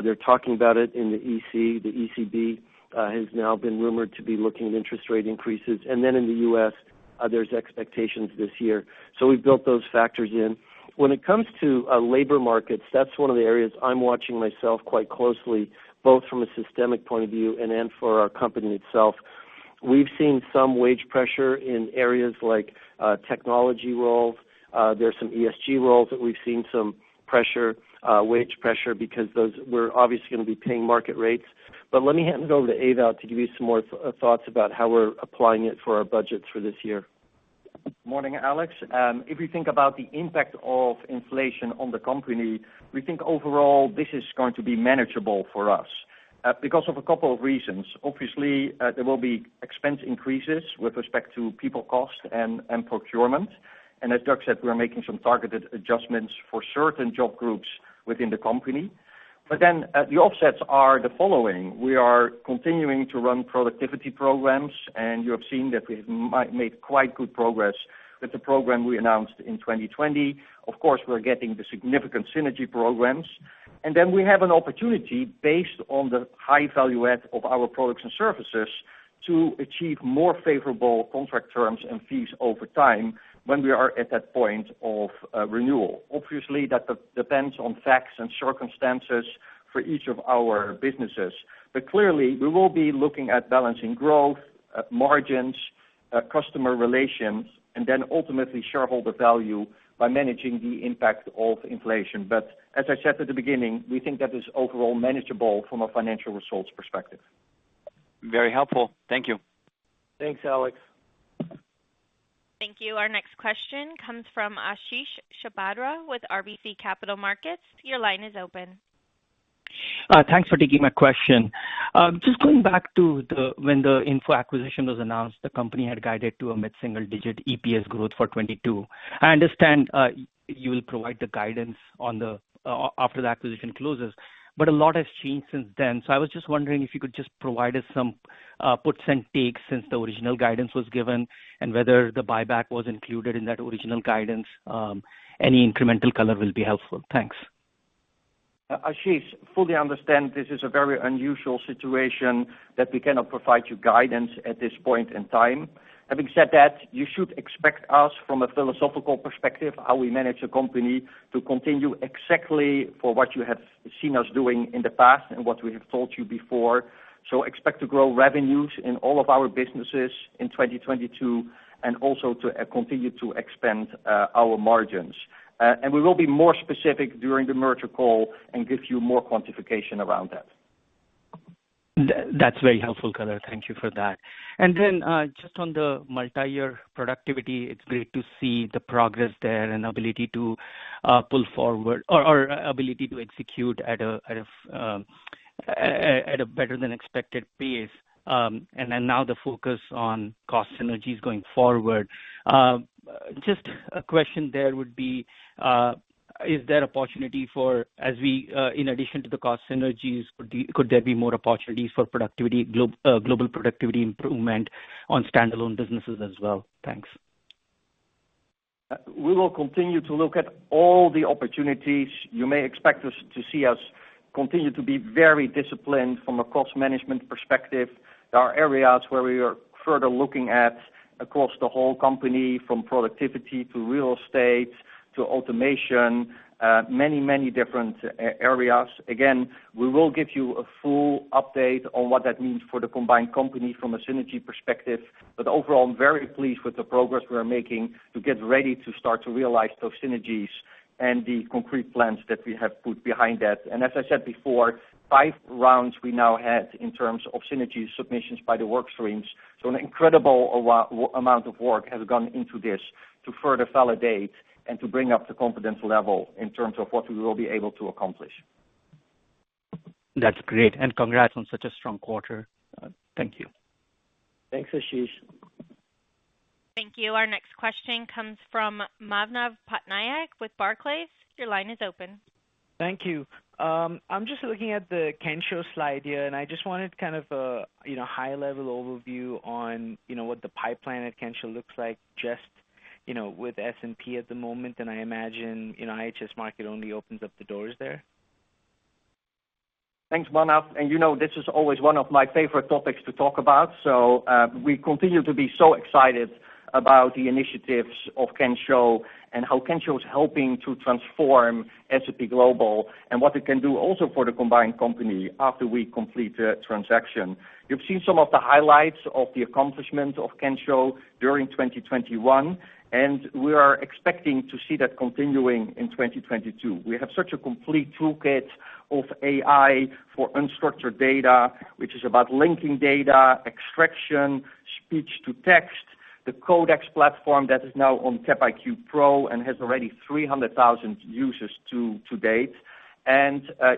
They're talking about it in the EC. The ECB has now been rumored to be looking at interest rate increases. In the U.S., there's expectations this year. We've built those factors in. When it comes to labor markets, that's one of the areas I'm watching myself quite closely, both from a systemic point of view and then for our company itself. We've seen some wage pressure in areas like technology roles. There's some ESG roles that we've seen some pressure, wage pressure because those we're obviously gonna be paying market rates. Let me hand it over to Ewout to give you some more thoughts about how we're applying it for our budget for this year. Morning, Alex. If you think about the impact of inflation on the company, we think overall this is going to be manageable for us because of a couple of reasons. Obviously, there will be expense increases with respect to people cost and procurement. As Doug said, we are making some targeted adjustments for certain job groups within the company. The offsets are the following. We are continuing to run productivity programs, and you have seen that we've made quite good progress with the program we announced in 2020. Of course, we're getting the significant synergy programs. We have an opportunity based on the high value add of our products and services to achieve more favorable contract terms and fees over time when we are at that point of renewal. Obviously, that depends on facts and circumstances for each of our businesses. Clearly, we will be looking at balancing growth, at margins, at customer relations, and then ultimately shareholder value by managing the impact of inflation. As I said at the beginning, we think that is overall manageable from a financial results perspective. Very helpful. Thank you. Thanks, Alex. Thank you. Our next question comes from Ashish Sabadra with RBC Capital Markets. Your line is open. Thanks for taking my question. Just going back to when the IHS Markit acquisition was announced, the company had guided to a mid-single digit EPS growth for 2022. I understand you will provide the guidance after the acquisition closes, but a lot has changed since then. I was just wondering if you could just provide us some puts and takes since the original guidance was given and whether the buyback was included in that original guidance. Any incremental color will be helpful. Thanks. Ashish, I fully understand this is a very unusual situation that we cannot provide you guidance at this point in time. Having said that, you should expect us from a philosophical perspective, how we manage the company to continue exactly for what you have seen us doing in the past and what we have told you before. Expect to grow revenues in all of our businesses in 2022, and also to continue to expand our margins. We will be more specific during the merger call and give you more quantification around that. That's very helpful, Ewout. Thank you for that. Just on the multi-year productivity, it's great to see the progress there and ability to pull forward or ability to execute at a better than expected pace. Now the focus on cost synergies going forward. Just a question there would be, is there opportunity for as we in addition to the cost synergies, could there be more opportunities for productivity, global productivity improvement on standalone businesses as well? Thanks. We will continue to look at all the opportunities. You may expect to see us continue to be very disciplined from a cost management perspective. There are areas where we are further looking at across the whole company, from productivity to real estate to automation, many different areas. Again, we will give you a full update on what that means for the combined company from a synergy perspective. Overall, I'm very pleased with the progress we are making to get ready to start to realize those synergies and the concrete plans that we have put behind that. As I said before, five rounds we now had in terms of synergy submissions by the work streams. An incredible amount of work has gone into this to further validate and to bring up the confidence level in terms of what we will be able to accomplish. That's great, and congrats on such a strong quarter. Thank you. Thanks, Ashish. Thank you. Our next question comes from Manav Patnaik with Barclays. Your line is open. Thank you. I'm just looking at the Kensho slide here, and I just wanted kind of a, you know, high level overview on, you know, what the pipeline at Kensho looks like just, you know, with S&P at the moment, and I imagine, you know, IHS Markit only opens up the doors there. Thanks, Manav. You know, this is always one of my favorite topics to talk about. We continue to be so excited about the initiatives of Kensho and how Kensho is helping to transform S&P Global and what it can do also for the combined company after we complete the transaction. You've seen some of the highlights of the accomplishments of Kensho during 2021, and we are expecting to see that continuing in 2022. We have such a complete toolkit of AI for unstructured data, which is about linking data, extraction, speech-to-text, the Codex platform that is now on Capital IQ Pro and has already 300,000 users to date.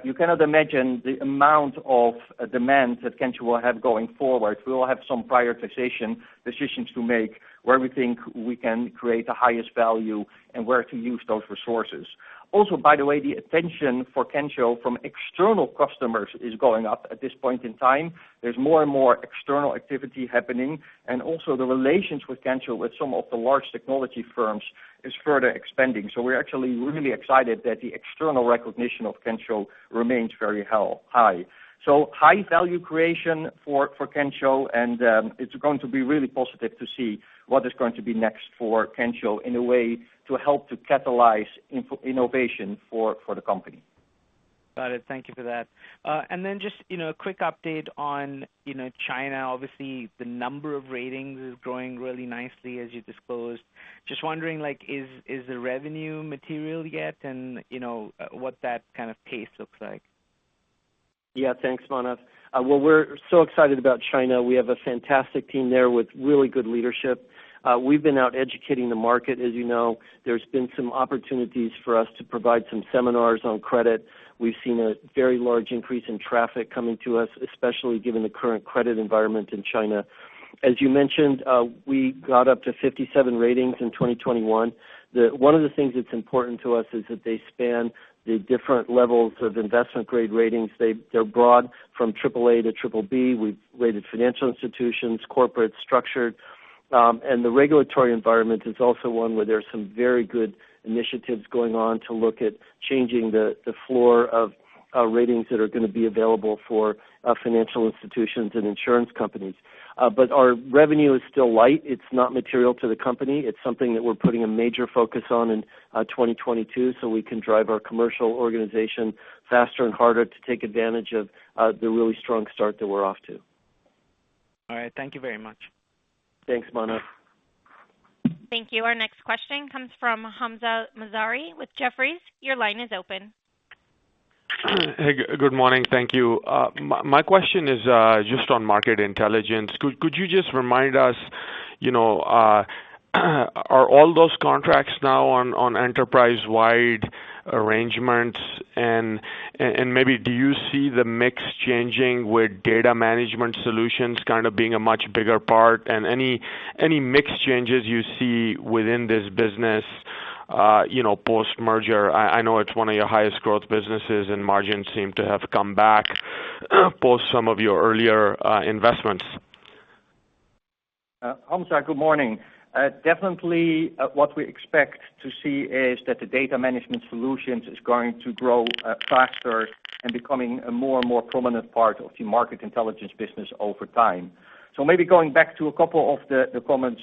You cannot imagine the amount of demand that Kensho will have going forward. We will have some prioritization decisions to make where we think we can create the highest value and where to use those resources. Also, by the way, the attention for Kensho from external customers is going up at this point in time. There's more and more external activity happening, and also the relations with Kensho with some of the large technology firms is further expanding. We're actually really excited that the external recognition of Kensho remains very high. High value creation for Kensho, and it's going to be really positive to see what is going to be next for Kensho in a way to help to catalyze innovation for the company. Got it. Thank you for that. Just, you know, a quick update on, you know, China. Obviously, the number of ratings is growing really nicely as you disclosed. Just wondering, like, is the revenue material yet? You know, what that kind of pace looks like. Yeah. Thanks, Manav. Well, we're so excited about China. We have a fantastic team there with really good leadership. We've been out educating the market, as you know. There's been some opportunities for us to provide some seminars on credit. We've seen a very large increase in traffic coming to us, especially given the current credit environment in China. As you mentioned, we got up to 57 ratings in 2021. One of the things that's important to us is that they span the different levels of investment grade ratings. They're broad from triple A to triple B. We've rated financial institutions, corporate structured. The regulatory environment is also one where there's some very good initiatives going on to look at changing the floor of ratings that are gonna be available for financial institutions and insurance companies. Our revenue is still light. It's not material to the company. It's something that we're putting a major focus on in 2022, so we can drive our commercial organization faster and harder to take advantage of the really strong start that we're off to. All right. Thank you very much. Thanks, Manav. Thank you. Our next question comes from Hamzah Mazari with Jefferies. Your line is open. Hey, good morning. Thank you. My question is just on market intelligence. Could you just remind us, you know, are all those contracts now on enterprise-wide arrangements? And maybe do you see the mix changing with Data Management Solutions kind of being a much bigger part? And any mix changes you see within this business, you know, post-merger? I know it's one of your highest growth businesses, and margins seem to have come back post some of your earlier investments. Hamzah, good morning. Definitely, what we expect to see is that the Data Management Solutions is going to grow faster and becoming a more and more prominent part of the Market Intelligence business over time. Maybe going back to a couple of the comments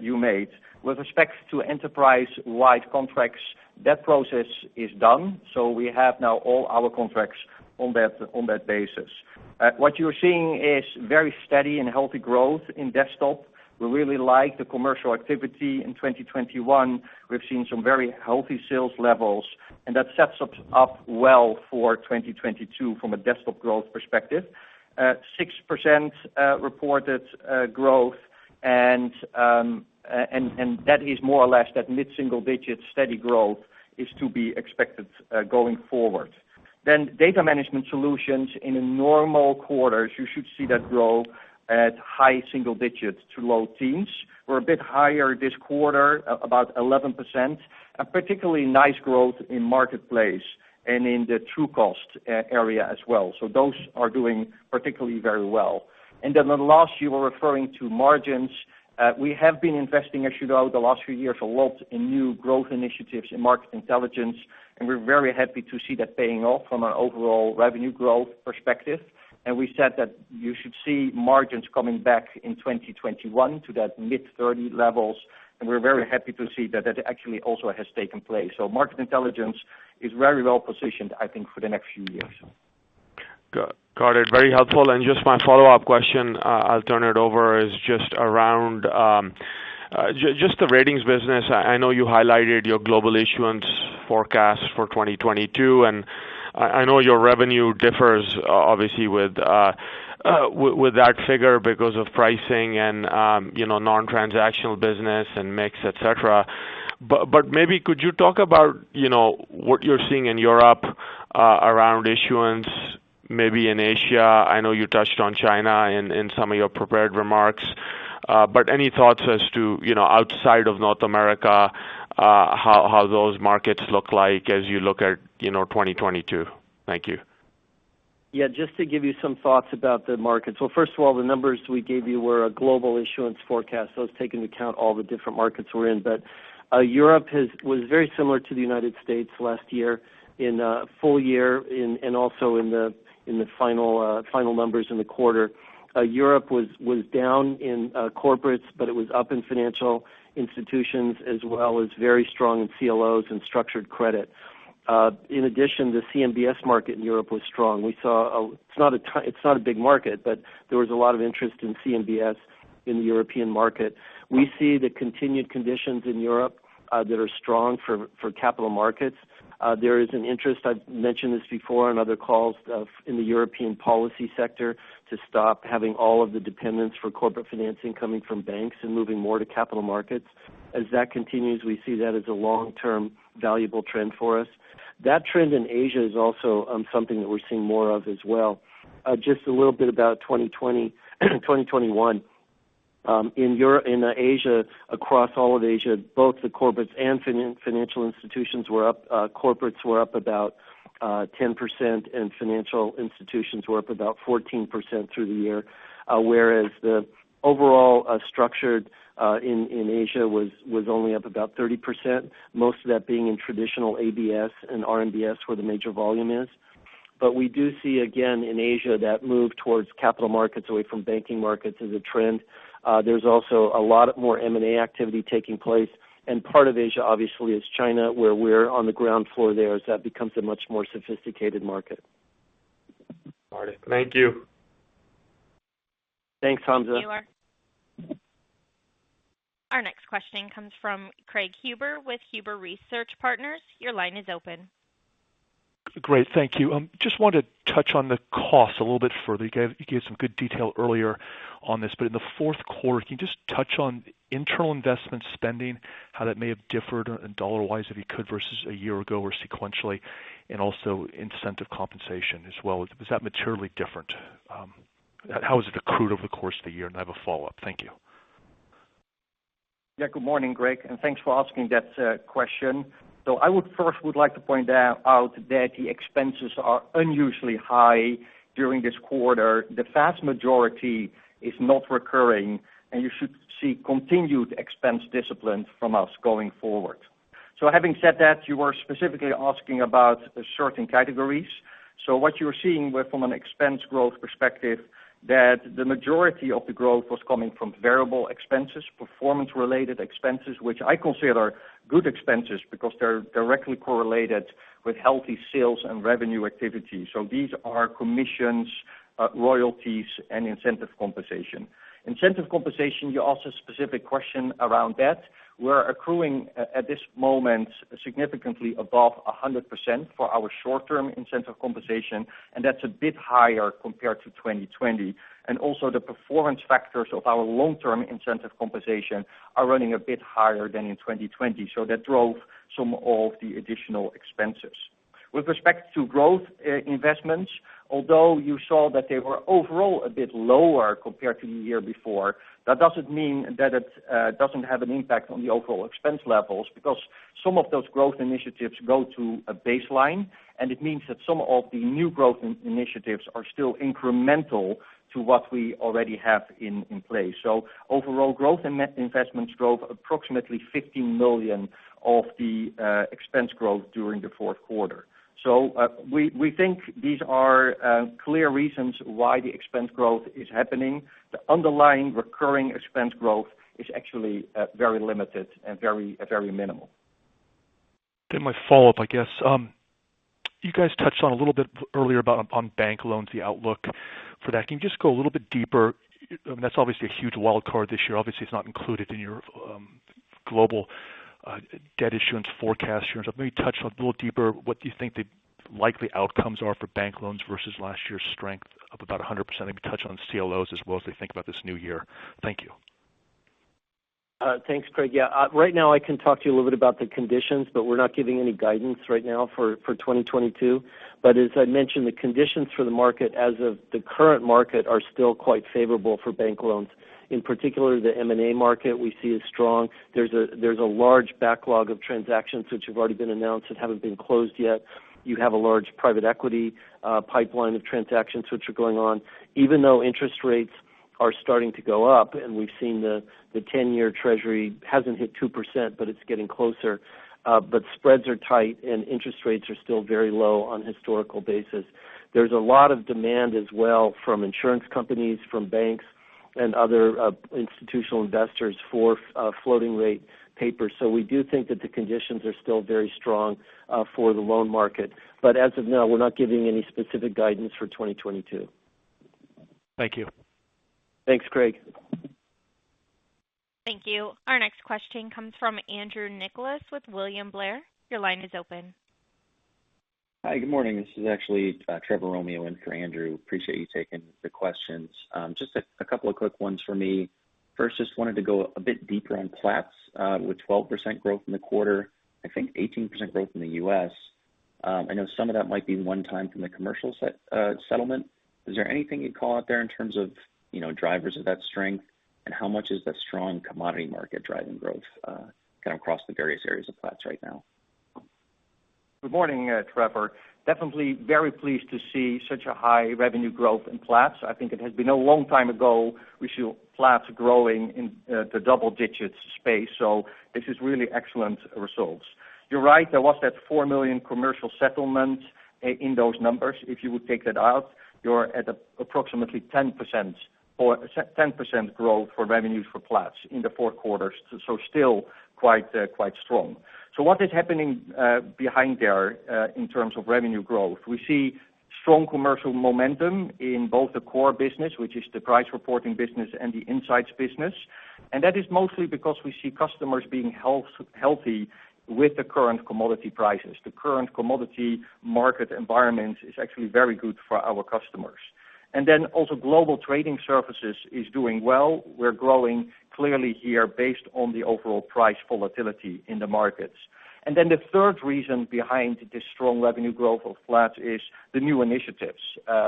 you made. With respect to enterprise-wide contracts, that process is done, so we have now all our contracts on that basis. What you're seeing is very steady and healthy growth in desktop. We really like the commercial activity in 2021. We've seen some very healthy sales levels, and that sets us up well for 2022 from a desktop growth perspective. 6% reported growth and that is more or less that mid-single digit steady growth is to be expected going forward. Data Management Solutions in a normal quarter, you should see that grow at high single digits to low teens. We're a bit higher this quarter, about 11%. A particularly nice growth in Marketplace and in the Trucost area as well. Those are doing particularly very well. The last you were referring to margins. We have been investing, as you know, the last few years, a lot in new growth initiatives in Market Intelligence, and we're very happy to see that paying off from an overall revenue growth perspective. We said that you should see margins coming back in 2021 to that mid-30s levels, and we're very happy to see that actually also has taken place. Market Intelligence is very well positioned, I think, for the next few years. Got it. Very helpful. Just my follow-up question, I'll turn it over, is just around the ratings business. I know you highlighted your global issuance forecast for 2022, and I know your revenue differs obviously with that figure because of pricing and, you know, non-transactional business and mix, et cetera. Maybe could you talk about, you know, what you're seeing in Europe around issuance, maybe in Asia? I know you touched on China in some of your prepared remarks. Any thoughts as to, you know, outside of North America, how those markets look like as you look at, you know, 2022? Thank you. Yeah. Just to give you some thoughts about the markets. Well, first of all, the numbers we gave you were a global issuance forecast, so it's taking into account all the different markets we're in. Europe was very similar to the United States last year in full year and also in the final numbers in the quarter. Europe was down in corporates, but it was up in financial institutions as well as very strong in CLOs and structured credit. In addition, the CMBS market in Europe was strong. It's not a big market, but there was a lot of interest in CMBS in the European market. We see the continued conditions in Europe that are strong for capital markets. There is an interest, I've mentioned this before on other calls of, in the European policy sector, to stop having all of the dependence for corporate financing coming from banks and moving more to capital markets. As that continues, we see that as a long-term valuable trend for us. That trend in Asia is also something that we're seeing more of as well. Just a little bit about 2020, 2021. In Asia, across all of Asia, both the corporates and financial institutions were up. Corporates were up about 10%, and financial institutions were up about 14% through the year. Whereas the overall structured in Asia was only up about 30%, most of that being in traditional ABS and RMBS, where the major volume is. We do see, again, in Asia, that move towards capital markets away from banking markets as a trend. There's also a lot more M&A activity taking place, and part of Asia, obviously, is China, where we're on the ground floor there as that becomes a much more sophisticated market. Got it. Thank you. Thanks, Hamzah. Thank you. Our next question comes from Craig Huber with Huber Research Partners. Your line is open. Great. Thank you. Just wanted to touch on the cost a little bit further. You gave some good detail earlier on this. In the fourth quarter, can you just touch on internal investment spending, how that may have differed dollar-wise, if you could, versus a year ago or sequentially, and also incentive compensation as well? Is that materially different? How has it accrued over the course of the year? I have a follow-up. Thank you. Yeah. Good morning, Craig, and thanks for asking that question. I would first like to point out that the expenses are unusually high during this quarter. The vast majority is not recurring, and you should see continued expense discipline from us going forward. Having said that, you were specifically asking about certain categories. What you're seeing from an expense growth perspective, that the majority of the growth was coming from variable expenses, performance-related expenses, which I consider good expenses because they're directly correlated with healthy sales and revenue activity. These are commissions, royalties, and incentive compensation. Incentive compensation, you asked a specific question around that. We're accruing at this moment significantly above 100% for our short-term incentive compensation, and that's a bit higher compared to 2020. Also the performance factors of our long-term incentive compensation are running a bit higher than in 2020. That drove some of the additional expenses. With respect to growth investments, although you saw that they were overall a bit lower compared to the year before, that doesn't mean that it doesn't have an impact on the overall expense levels because some of those growth initiatives go to a baseline, and it means that some of the new growth initiatives are still incremental to what we already have in place. Overall growth in net investments drove approximately $15 million of the expense growth during the fourth quarter. We think these are clear reasons why the expense growth is happening. The underlying recurring expense growth is actually very limited and very minimal. My follow-up, I guess. You guys touched on a little bit earlier about on bank loans, the outlook for that. Can you just go a little bit deeper? I mean, that's obviously a huge wild card this year. Obviously, it's not included in your global debt issuance forecast. Maybe touch a little deeper, what do you think the likely outcomes are for bank loans versus last year's strength of about 100%, maybe touch on CLOs as well as they think about this new year. Thank you. Thanks, Craig. Yeah. Right now I can talk to you a little bit about the conditions, but we're not giving any guidance right now for 2022. As I mentioned, the conditions for the market as of the current market are still quite favorable for bank loans. In particular, the M&A market we see is strong. There's a large backlog of transactions which have already been announced that haven't been closed yet. You have a large private equity pipeline of transactions which are going on. Even though interest rates are starting to go up, and we've seen the 10-year Treasury hasn't hit 2%, but it's getting closer, but spreads are tight, and interest rates are still very low on historical basis. There's a lot of demand as well from insurance companies, from banks and other institutional investors for floating rate paper. We do think that the conditions are still very strong for the loan market. As of now, we're not giving any specific guidance for 2022. Thank you. Thanks, Craig. Thank you. Our next question comes from Andrew Nicholas with William Blair. Your line is open. Hi, good morning. This is actually Trevor Romeo in for Andrew. Appreciate you taking the questions. Just a couple of quick ones for me. First, just wanted to go a bit deeper on Platts with 12% growth in the quarter, I think 18% growth in the U.S. I know some of that might be one time from the commercial settlement. Is there anything you'd call out there in terms of, you know, drivers of that strength? How much is the strong commodity market driving growth kind of across the various areas of Platts right now? Good morning, Trevor. Definitely very pleased to see such a high revenue growth in Platts. I think it has been a long time ago we see Platts growing in the double digits space. This is really excellent results. You're right, there was that $4 million commercial settlement in those numbers. If you would take that out, you're at approximately 10% for 10% growth for revenues for Platts in the fourth quarter, so still quite strong. What is happening behind there in terms of revenue growth? We see strong commercial momentum in both the core business, which is the price reporting business and the insights business. That is mostly because we see customers being healthy with the current commodity prices. The current commodity market environment is actually very good for our customers. Also global trading services is doing well. We're growing clearly here based on the overall price volatility in the markets. The third reason behind this strong revenue growth of Platts is the new initiatives.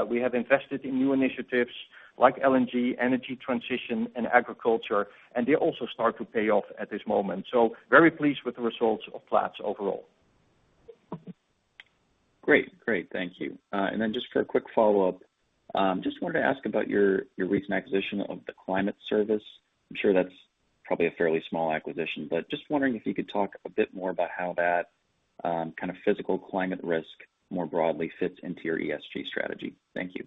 We have invested in new initiatives like LNG, energy transition, and agriculture, and they also start to pay off at this moment. Very pleased with the results of Platts overall. Great. Thank you. Just for a quick follow-up, just wanted to ask about your recent acquisition of The Climate Service. I'm sure that's probably a fairly small acquisition, but just wondering if you could talk a bit more about how that kind of physical climate risk more broadly fits into your ESG strategy. Thank you.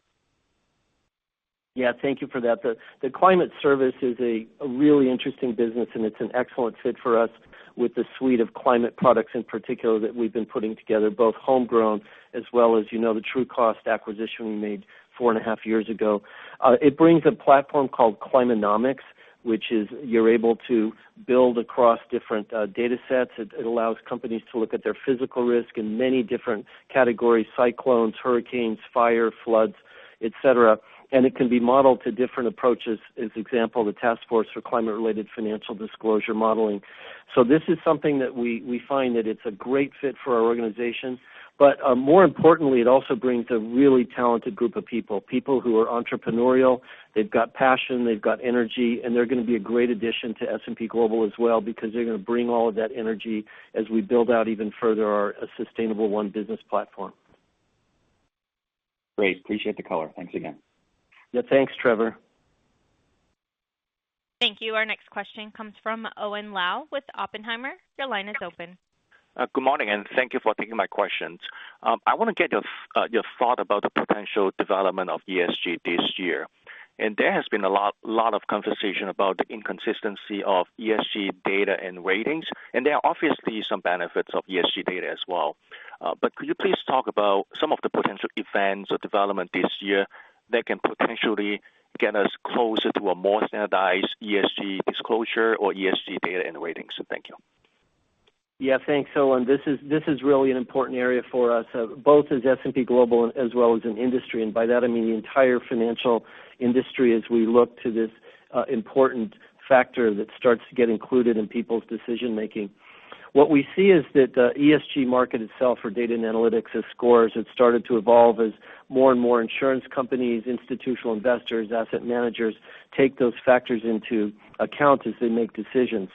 Yeah, thank you for that. The Climate Service is a really interesting business, and it's an excellent fit for us with the suite of climate products in particular that we've been putting together, both homegrown as well as, you know, the Trucost acquisition we made four and a half years ago. It brings a platform called Climanomics, which is you're able to build across different datasets. It allows companies to look at their physical risk in many different categories, cyclones, hurricanes, fire, floods, et cetera. It can be modeled to different approaches, as example, the task force for climate-related financial disclosure modeling. This is something that we find that it's a great fit for our organization. more importantly, it also brings a really talented group of people who are entrepreneurial, they've got passion, they've got energy, and they're gonna be a great addition to S&P Global as well because they're gonna bring all of that energy as we build out even further our Sustainable1 business platform. Great. Appreciate the color. Thanks again. Yeah, thanks, Trevor. Thank you. Our next question comes from Owen Lau with Oppenheimer. Your line is open. Good morning, and thank you for taking my questions. I wanna get your thought about the potential development of ESG this year. There has been a lot of conversation about the inconsistency of ESG data and ratings, and there are obviously some benefits of ESG data as well. But could you please talk about some of the potential events or development this year that can potentially get us closer to a more standardized ESG disclosure or ESG data and ratings? Thank you. Yeah, thanks, Owen. This is really an important area for us both as S&P Global as well as in industry, and by that I mean the entire financial industry as we look to this important factor that starts to get included in people's decision-making. What we see is that the ESG market itself for data and analytics as scores have started to evolve as more and more insurance companies, institutional investors, asset managers take those factors into account as they make decisions.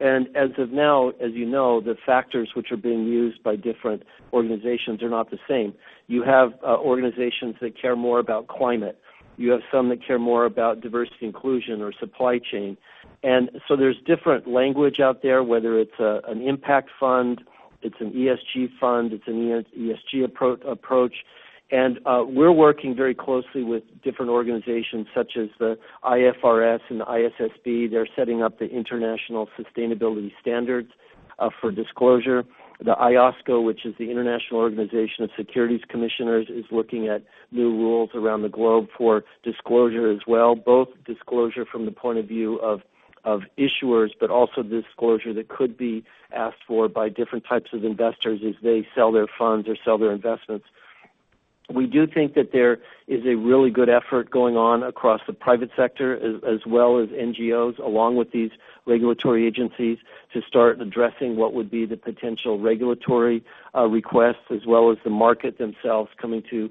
As of now, as you know, the factors which are being used by different organizations are not the same. You have organizations that care more about climate. You have some that care more about diversity inclusion or supply chain. There's different language out there, whether it's an impact fund, it's an ESG fund, it's an ESG approach. We're working very closely with different organizations such as the IFRS and the ISSB. They're setting up the International Sustainability Standards for disclosure. The IOSCO, which is the International Organization of Securities Commissions, is looking at new rules around the globe for disclosure as well, both disclosure from the point of view of issuers, but also disclosure that could be asked for by different types of investors as they sell their funds or sell their investments. We do think that there is a really good effort going on across the private sector as well as NGOs, along with these regulatory agencies to start addressing what would be the potential regulatory requests, as well as the market themselves coming to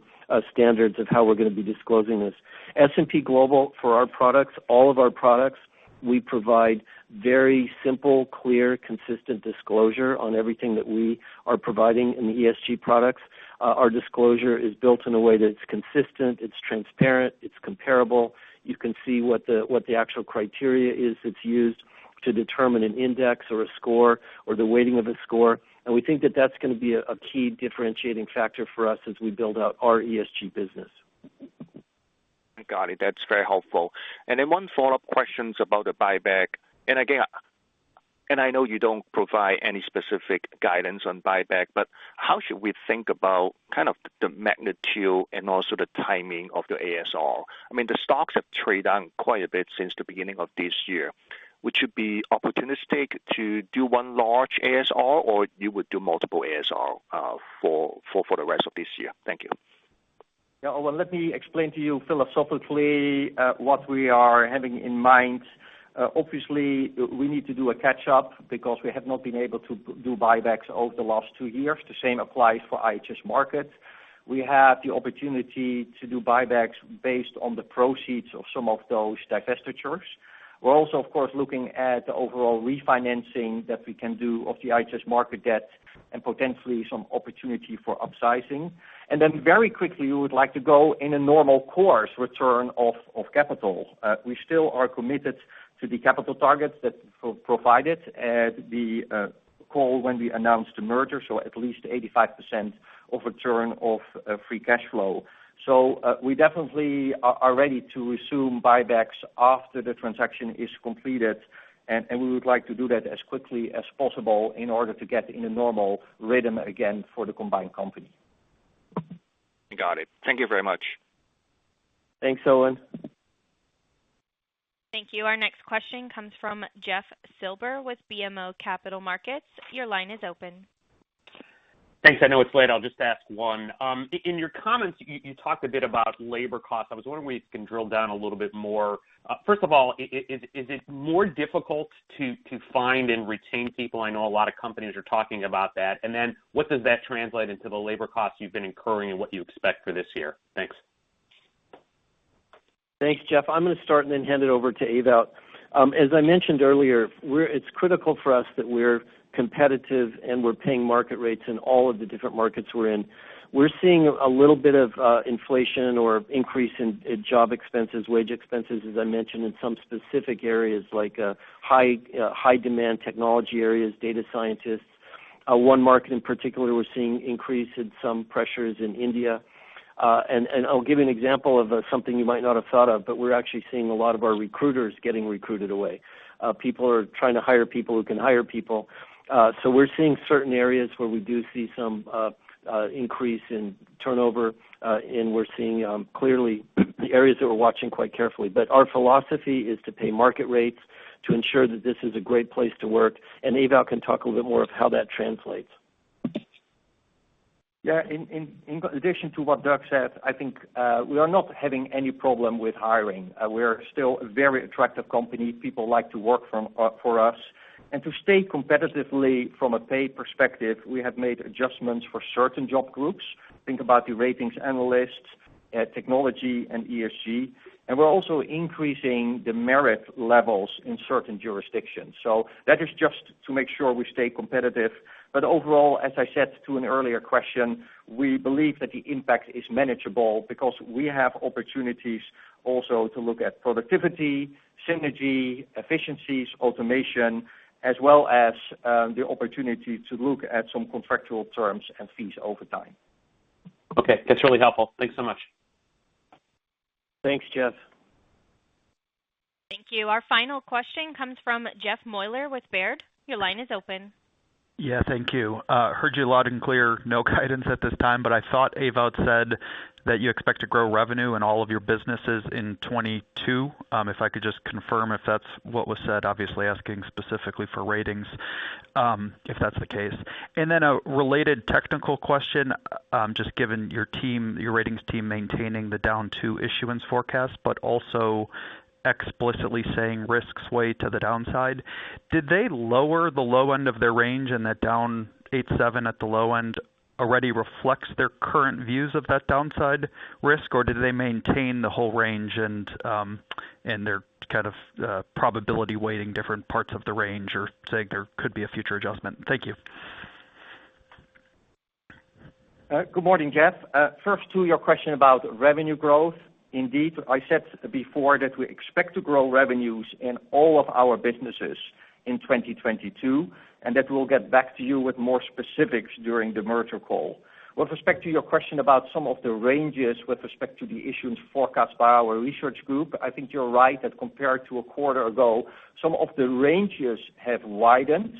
standards of how we're gonna be disclosing this. S&P Global, for our products, all of our products, we provide very simple, clear, consistent disclosure on everything that we are providing in the ESG products. Our disclosure is built in a way that it's consistent, it's transparent, it's comparable. You can see what the actual criteria is that's used to determine an index or a score or the weighting of a score. We think that that's gonna be a key differentiating factor for us as we build out our ESG business. Got it. That's very helpful. Then one follow-up question about the buyback. Again, I know you don't provide any specific guidance on buyback, but how should we think about kind of the magnitude and also the timing of the ASR? I mean, the stocks have traded down quite a bit since the beginning of this year, which would be opportunistic to do one large ASR, or you would do multiple ASR for the rest of this year. Thank you. Yeah. Owen, let me explain to you philosophically what we are having in mind. Obviously, we need to do a catch-up because we have not been able to do buybacks over the last two years. The same applies for IHS Markit. We have the opportunity to do buybacks based on the proceeds of some of those divestitures. We're also, of course, looking at the overall refinancing that we can do of the IHS Markit debt and potentially some opportunity for upsizing. Very quickly, we would like to go in a normal course return of capital. We still are committed to the capital targets that provided at the call when we announced the merger, so at least 85% of return of free cash flow. We definitely are ready to resume buybacks after the transaction is completed, and we would like to do that as quickly as possible in order to get in a normal rhythm again for the combined company. Got it. Thank you very much. Thanks, Owen. Thank you. Our next question comes from Jeffrey Silber with BMO Capital Markets. Your line is open. Thanks. I know it's late. I'll just ask one. In your comments, you talked a bit about labor costs. I was wondering if we can drill down a little bit more. First of all, is it more difficult to find and retain people? I know a lot of companies are talking about that. What does that translate into the labor costs you've been incurring and what you expect for this year? Thanks. Thanks, Jeff Silber. I'm gonna start and then hand it over to Ewout. As I mentioned earlier, it's critical for us that we're competitive and we're paying market rates in all of the different markets we're in. We're seeing a little bit of inflation or increase in job expenses, wage expenses, as I mentioned, in some specific areas like high demand technology areas, data scientists. One market in particular, we're seeing increase in some pressures in India. I'll give you an example of something you might not have thought of, but we're actually seeing a lot of our recruiters getting recruited away. People are trying to hire people who can hire people. We're seeing certain areas where we do see some increase in turnover, and we're seeing clearly the areas that we're watching quite carefully. Our philosophy is to pay market rates to ensure that this is a great place to work. Ewout can talk a little bit more of how that translates. Yeah. In addition to what Doug said, I think we are not having any problem with hiring. We're still a very attractive company. People like to work for us. To stay competitive from a pay perspective, we have made adjustments for certain job groups. Think about the ratings analysts at technology and ESG, and we're also increasing the merit levels in certain jurisdictions. That is just to make sure we stay competitive. Overall, as I said to an earlier question, we believe that the impact is manageable because we have opportunities also to look at productivity, synergy, efficiencies, automation, as well as the opportunity to look at some contractual terms and fees over time. Okay. That's really helpful. Thanks so much. Thanks, Jeff Silber. Thank you. Our final question comes from Jeffrey Meuler with Baird. Your line is open. Yeah, thank you. Heard you loud and clear, no guidance at this time, but I thought Ewout said that you expect to grow revenue in all of your businesses in 2022. If I could just confirm if that's what was said, obviously asking specifically for ratings, if that's the case. Then a related technical question, just given your team, your ratings team maintaining the downturn issuance forecast, but also explicitly saying risks weigh to the downside. Did they lower the low end of their range and that down 87 at the low end already reflects their current views of that downside risk? Or did they maintain the whole range and their kind of probability weighting different parts of the range or saying there could be a future adjustment? Thank you. Good morning, Jeff Meuler. First to your question about revenue growth. Indeed, I said before that we expect to grow revenues in all of our businesses in 2022, and that we'll get back to you with more specifics during the merger call. With respect to your question about some of the ranges with respect to the issuance forecast by our research group, I think you're right that compared to a quarter ago, some of the ranges have widened,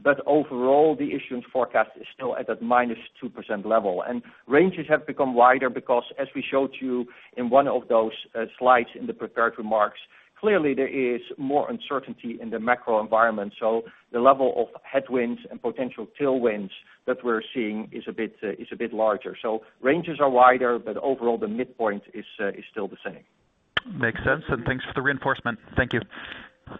but overall, the issuance forecast is still at that -2% level. Ranges have become wider because as we showed you in one of those slides in the prepared remarks, clearly there is more uncertainty in the macro environment. The level of headwinds and potential tailwinds that we're seeing is a bit larger. Ranges are wider, but overall, the midpoint is still the same. Makes sense. Thanks for the reinforcement. Thank you.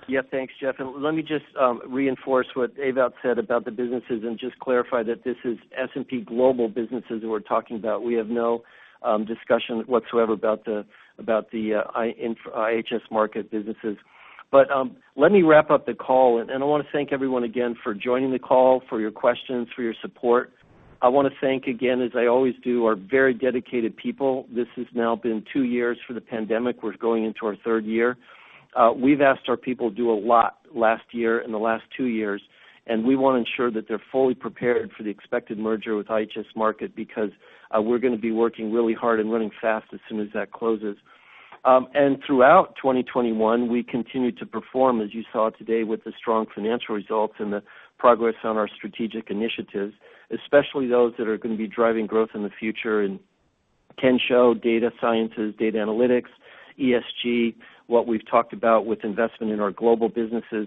Yeah, thanks, Jeff Meuler. Let me just reinforce what Ewout said about the businesses and just clarify that this is S&P Global businesses we're talking about. We have no discussion whatsoever about the IHS Markit businesses. Let me wrap up the call, and I want to thank everyone again for joining the call, for your questions, for your support. I want to thank again, as I always do, our very dedicated people. This has now been two years for the pandemic. We're going into our third year. We've asked our people to do a lot last year and the last two years, and we want to ensure that they're fully prepared for the expected merger with IHS Markit because we're going to be working really hard and running fast as soon as that closes. Throughout 2021, we continued to perform, as you saw today, with the strong financial results and the progress on our strategic initiatives, especially those that are going to be driving growth in the future in Kensho, data sciences, data analytics, ESG, what we've talked about with investment in our global businesses.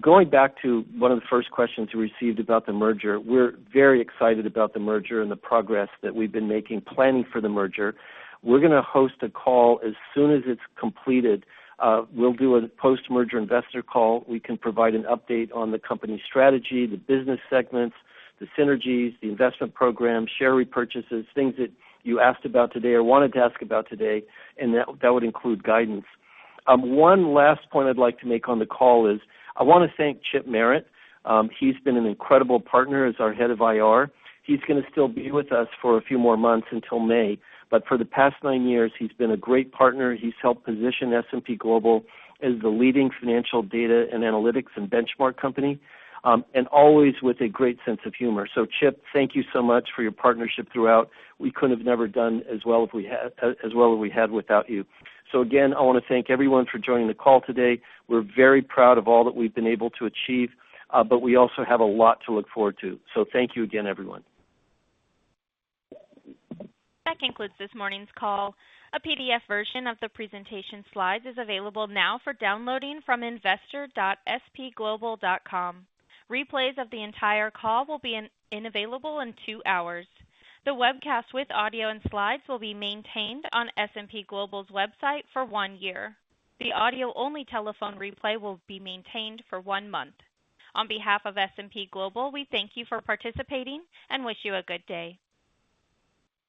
Going back to one of the first questions we received about the merger, we're very excited about the merger and the progress that we've been making planning for the merger. We're going to host a call as soon as it's completed. We'll do a post-merger investor call. We can provide an update on the company strategy, the business segments, the synergies, the investment program, share repurchases, things that you asked about today or wanted to ask about today, and that would include guidance. One last point I'd like to make on the call is I want to thank Chip Merritt. He's been an incredible partner as our head of IR. He's going to still be with us for a few more months until May. For the past nine years, he's been a great partner. He's helped position S&P Global as the leading financial data and analytics and benchmark company, and always with a great sense of humor. Chip, thank you so much for your partnership throughout. We could have never done as well as we had without you. Again, I want to thank everyone for joining the call today. We're very proud of all that we've been able to achieve, but we also have a lot to look forward to. Thank you again, everyone. That concludes this morning's call. A PDF version of the presentation slides is available now for downloading from investor.spglobal.com. Replays of the entire call will be unavailable in two hours. The webcast with audio and slides will be maintained on S&P Global's website for one year. The audio only telephone replay will be maintained for one month. On behalf of S&P Global, we thank you for participating and wish you a good day.